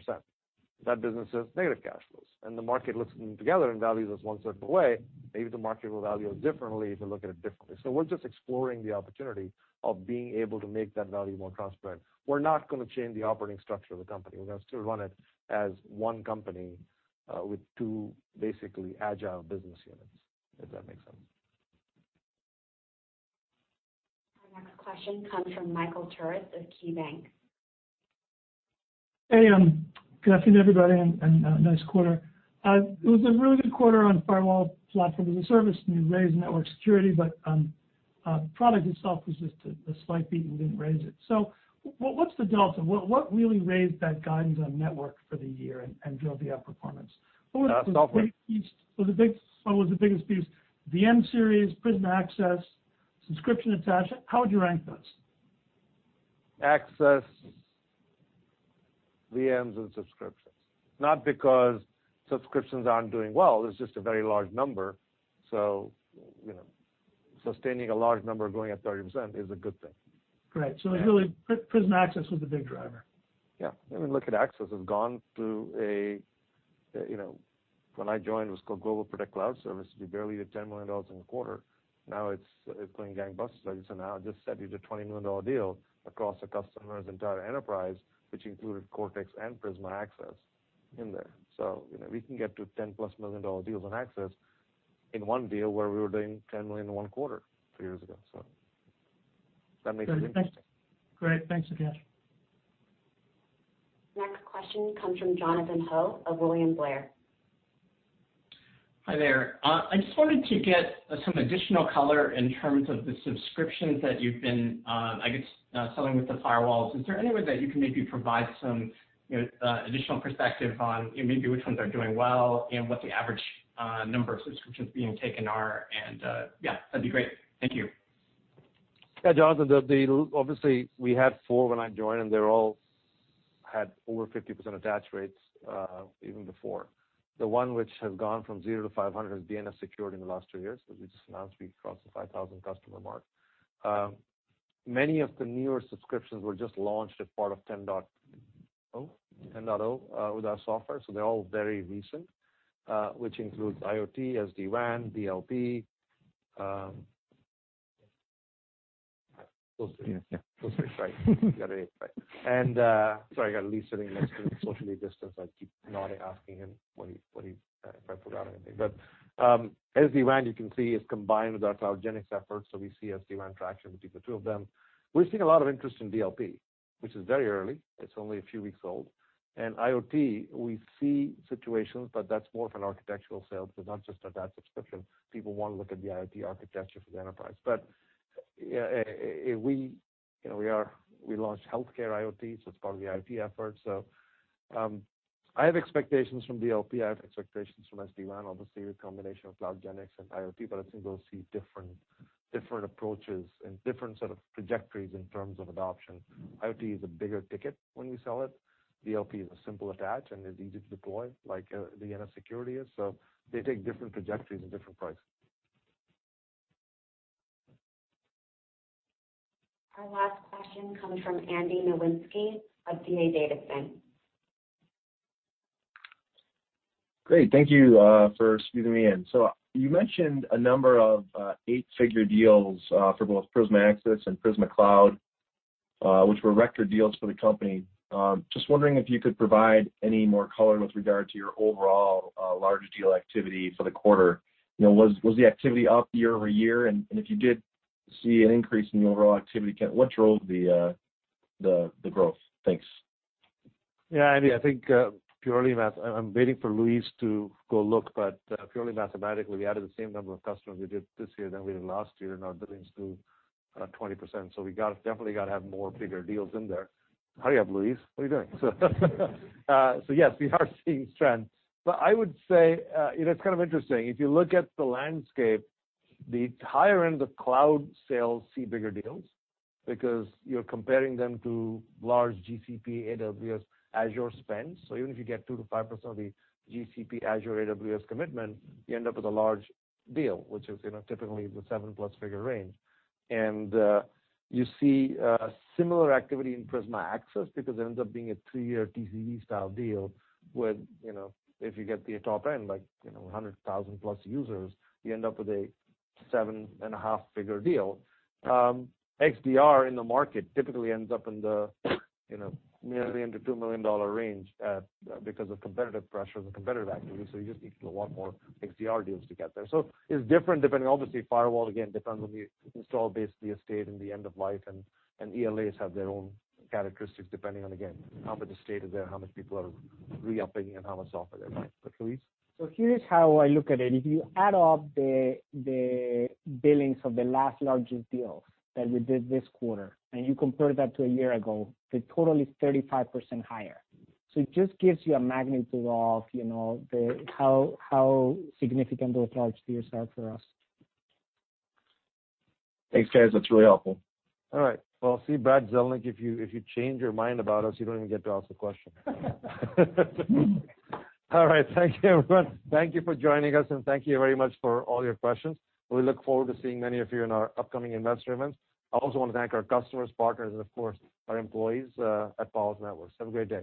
That business is negative cash flows. The market looks at them together and values us one certain way. Maybe the market will value us differently if they look at it differently. We're just exploring the opportunity of being able to make that value more transparent. We're not going to change the operating structure of the company. We're going to still run it as one company, with two basically agile business units. If that makes sense. Our next question comes from Michael Turits of KeyBanc Capital Markets. Hey, good afternoon, everybody, and nice quarter. It was a really good quarter on firewall platform as a service and you raised network security, but product itself was just a slight beat and didn't raise it. What's the delta? What really raised that guidance on network for the year and drove the outperformance? Software. What was the biggest piece? VM-Series, Prisma Access, subscription attach? How would you rank those? Access, VMs, and subscriptions. Not because subscriptions aren't doing well, it's just a very large number. Sustaining a large number growing at 30% is a good thing. Great. Really, Prisma Access was the big driver. Yeah. I mean, look at Prisma Access. When I joined, it was called GlobalProtect cloud service. We barely did $10 million in a quarter. Now it's going gangbusters. I just said we did a $20 million deal across a customer's entire enterprise, which included Cortex and Prisma Access in there. We can get to $10+ million deals on Prisma Access in one deal, where we were doing $10 million in one quarter two years ago. That makes it interesting. Great. Thanks again. Next question comes from Jonathan Ho of William Blair. Hi there. I just wanted to get some additional color in terms of the subscriptions that you've been, I guess, selling with the firewalls. Is there any way that you can maybe provide some additional perspective on maybe which ones are doing well and what the average number of subscriptions being taken are? Yeah, that'd be great. Thank you. Yeah. Jonathan, obviously we had four when I joined, and they all had over 50% attach rates, even before. The one which has gone from zero to 500 is DNS Security in the last two years, as we just announced, we crossed the 5,000 customer mark. Many of the newer subscriptions were just launched as part of 10.0 with our software. They're all very recent, which includes IoT, SD-WAN, DLP. Those three. Yeah. Those three. Right. Got it. Right. Sorry, I got Luis sitting next to me, socially distanced. I keep nodding, asking him if I forgot anything. SD-WAN, you can see, is combined with our CloudGenix efforts. We see SD-WAN traction between the two of them. We've seen a lot of interest in DLP, which is very early. It's only a few weeks old. IoT, we see situations, but that's more of an architectural sale. It's not just a subscription. People want to look at the IoT architecture for the enterprise. We launched healthcare IoT, so it's part of the IoT effort. I have expectations from DLP. I have expectations from SD-WAN, obviously, with combination of CloudGenix and IoT, but I think we'll see different approaches and different sort of trajectories in terms of adoption. IoT is a bigger ticket when we sell it. DLP is a simple attach, and it's easy to deploy, like DNS Security is. They take different trajectories and different prices. Our last question comes from Andy Nowinski of D.A. Davidson. Great. Thank you for squeezing me in. You mentioned a number of eight-figure deals for both Prisma Access and Prisma Cloud, which were record deals for the company. Just wondering if you could provide any more color with regard to your overall large deal activity for the quarter. Was the activity up year-over-year? If you did see an increase in the overall activity, what drove the growth? Thanks. Andy, I'm waiting for Luis to go look, purely mathematically, we added the same number of customers we did this year than we did last year. Our billings grew 20%. We definitely got to have more bigger deals in there. Hurry up, Luis, what are you doing? Yes, we are seeing trends. I would say, it's kind of interesting. If you look at the landscape, the higher ends of cloud sales see bigger deals because you're comparing them to large GCP, AWS, Azure spends. Even if you get 2%-5% of the GCP, Azure, AWS commitment, you end up with a large deal, which is typically the 7+ figure range. You see similar activity in Prisma Access because it ends up being a three-year TCV style deal where if you get the top end, like 100,000+ users, you end up with a seven and a half figure deal. XDR in the market typically ends up merely in the $2 million range because of competitive pressure and competitive activity. You just need to do a lot more XDR deals to get there. It's different depending, obviously, firewall, again, depends on the install base of the estate and the end of life, and ELAs have their own characteristics depending on, again, how much estate is there, how much people are re-upping, and how much software they buy. Luis? Here is how I look at it. If you add up the billings of the last largest deals that we did this quarter, and you compare that to a year ago, the total is 35% higher. It just gives you a magnitude of how significant those large deals are for us. Thanks, guys. That's really helpful. All right. Well, see, Brad Zelnick, if you change your mind about us, you don't even get to ask the question. All right. Thank you, everyone. Thank you for joining us, and thank you very much for all your questions. We look forward to seeing many of you in our upcoming investor events. I also want to thank our customers, partners, and of course, our employees at Palo Alto Networks. Have a great day.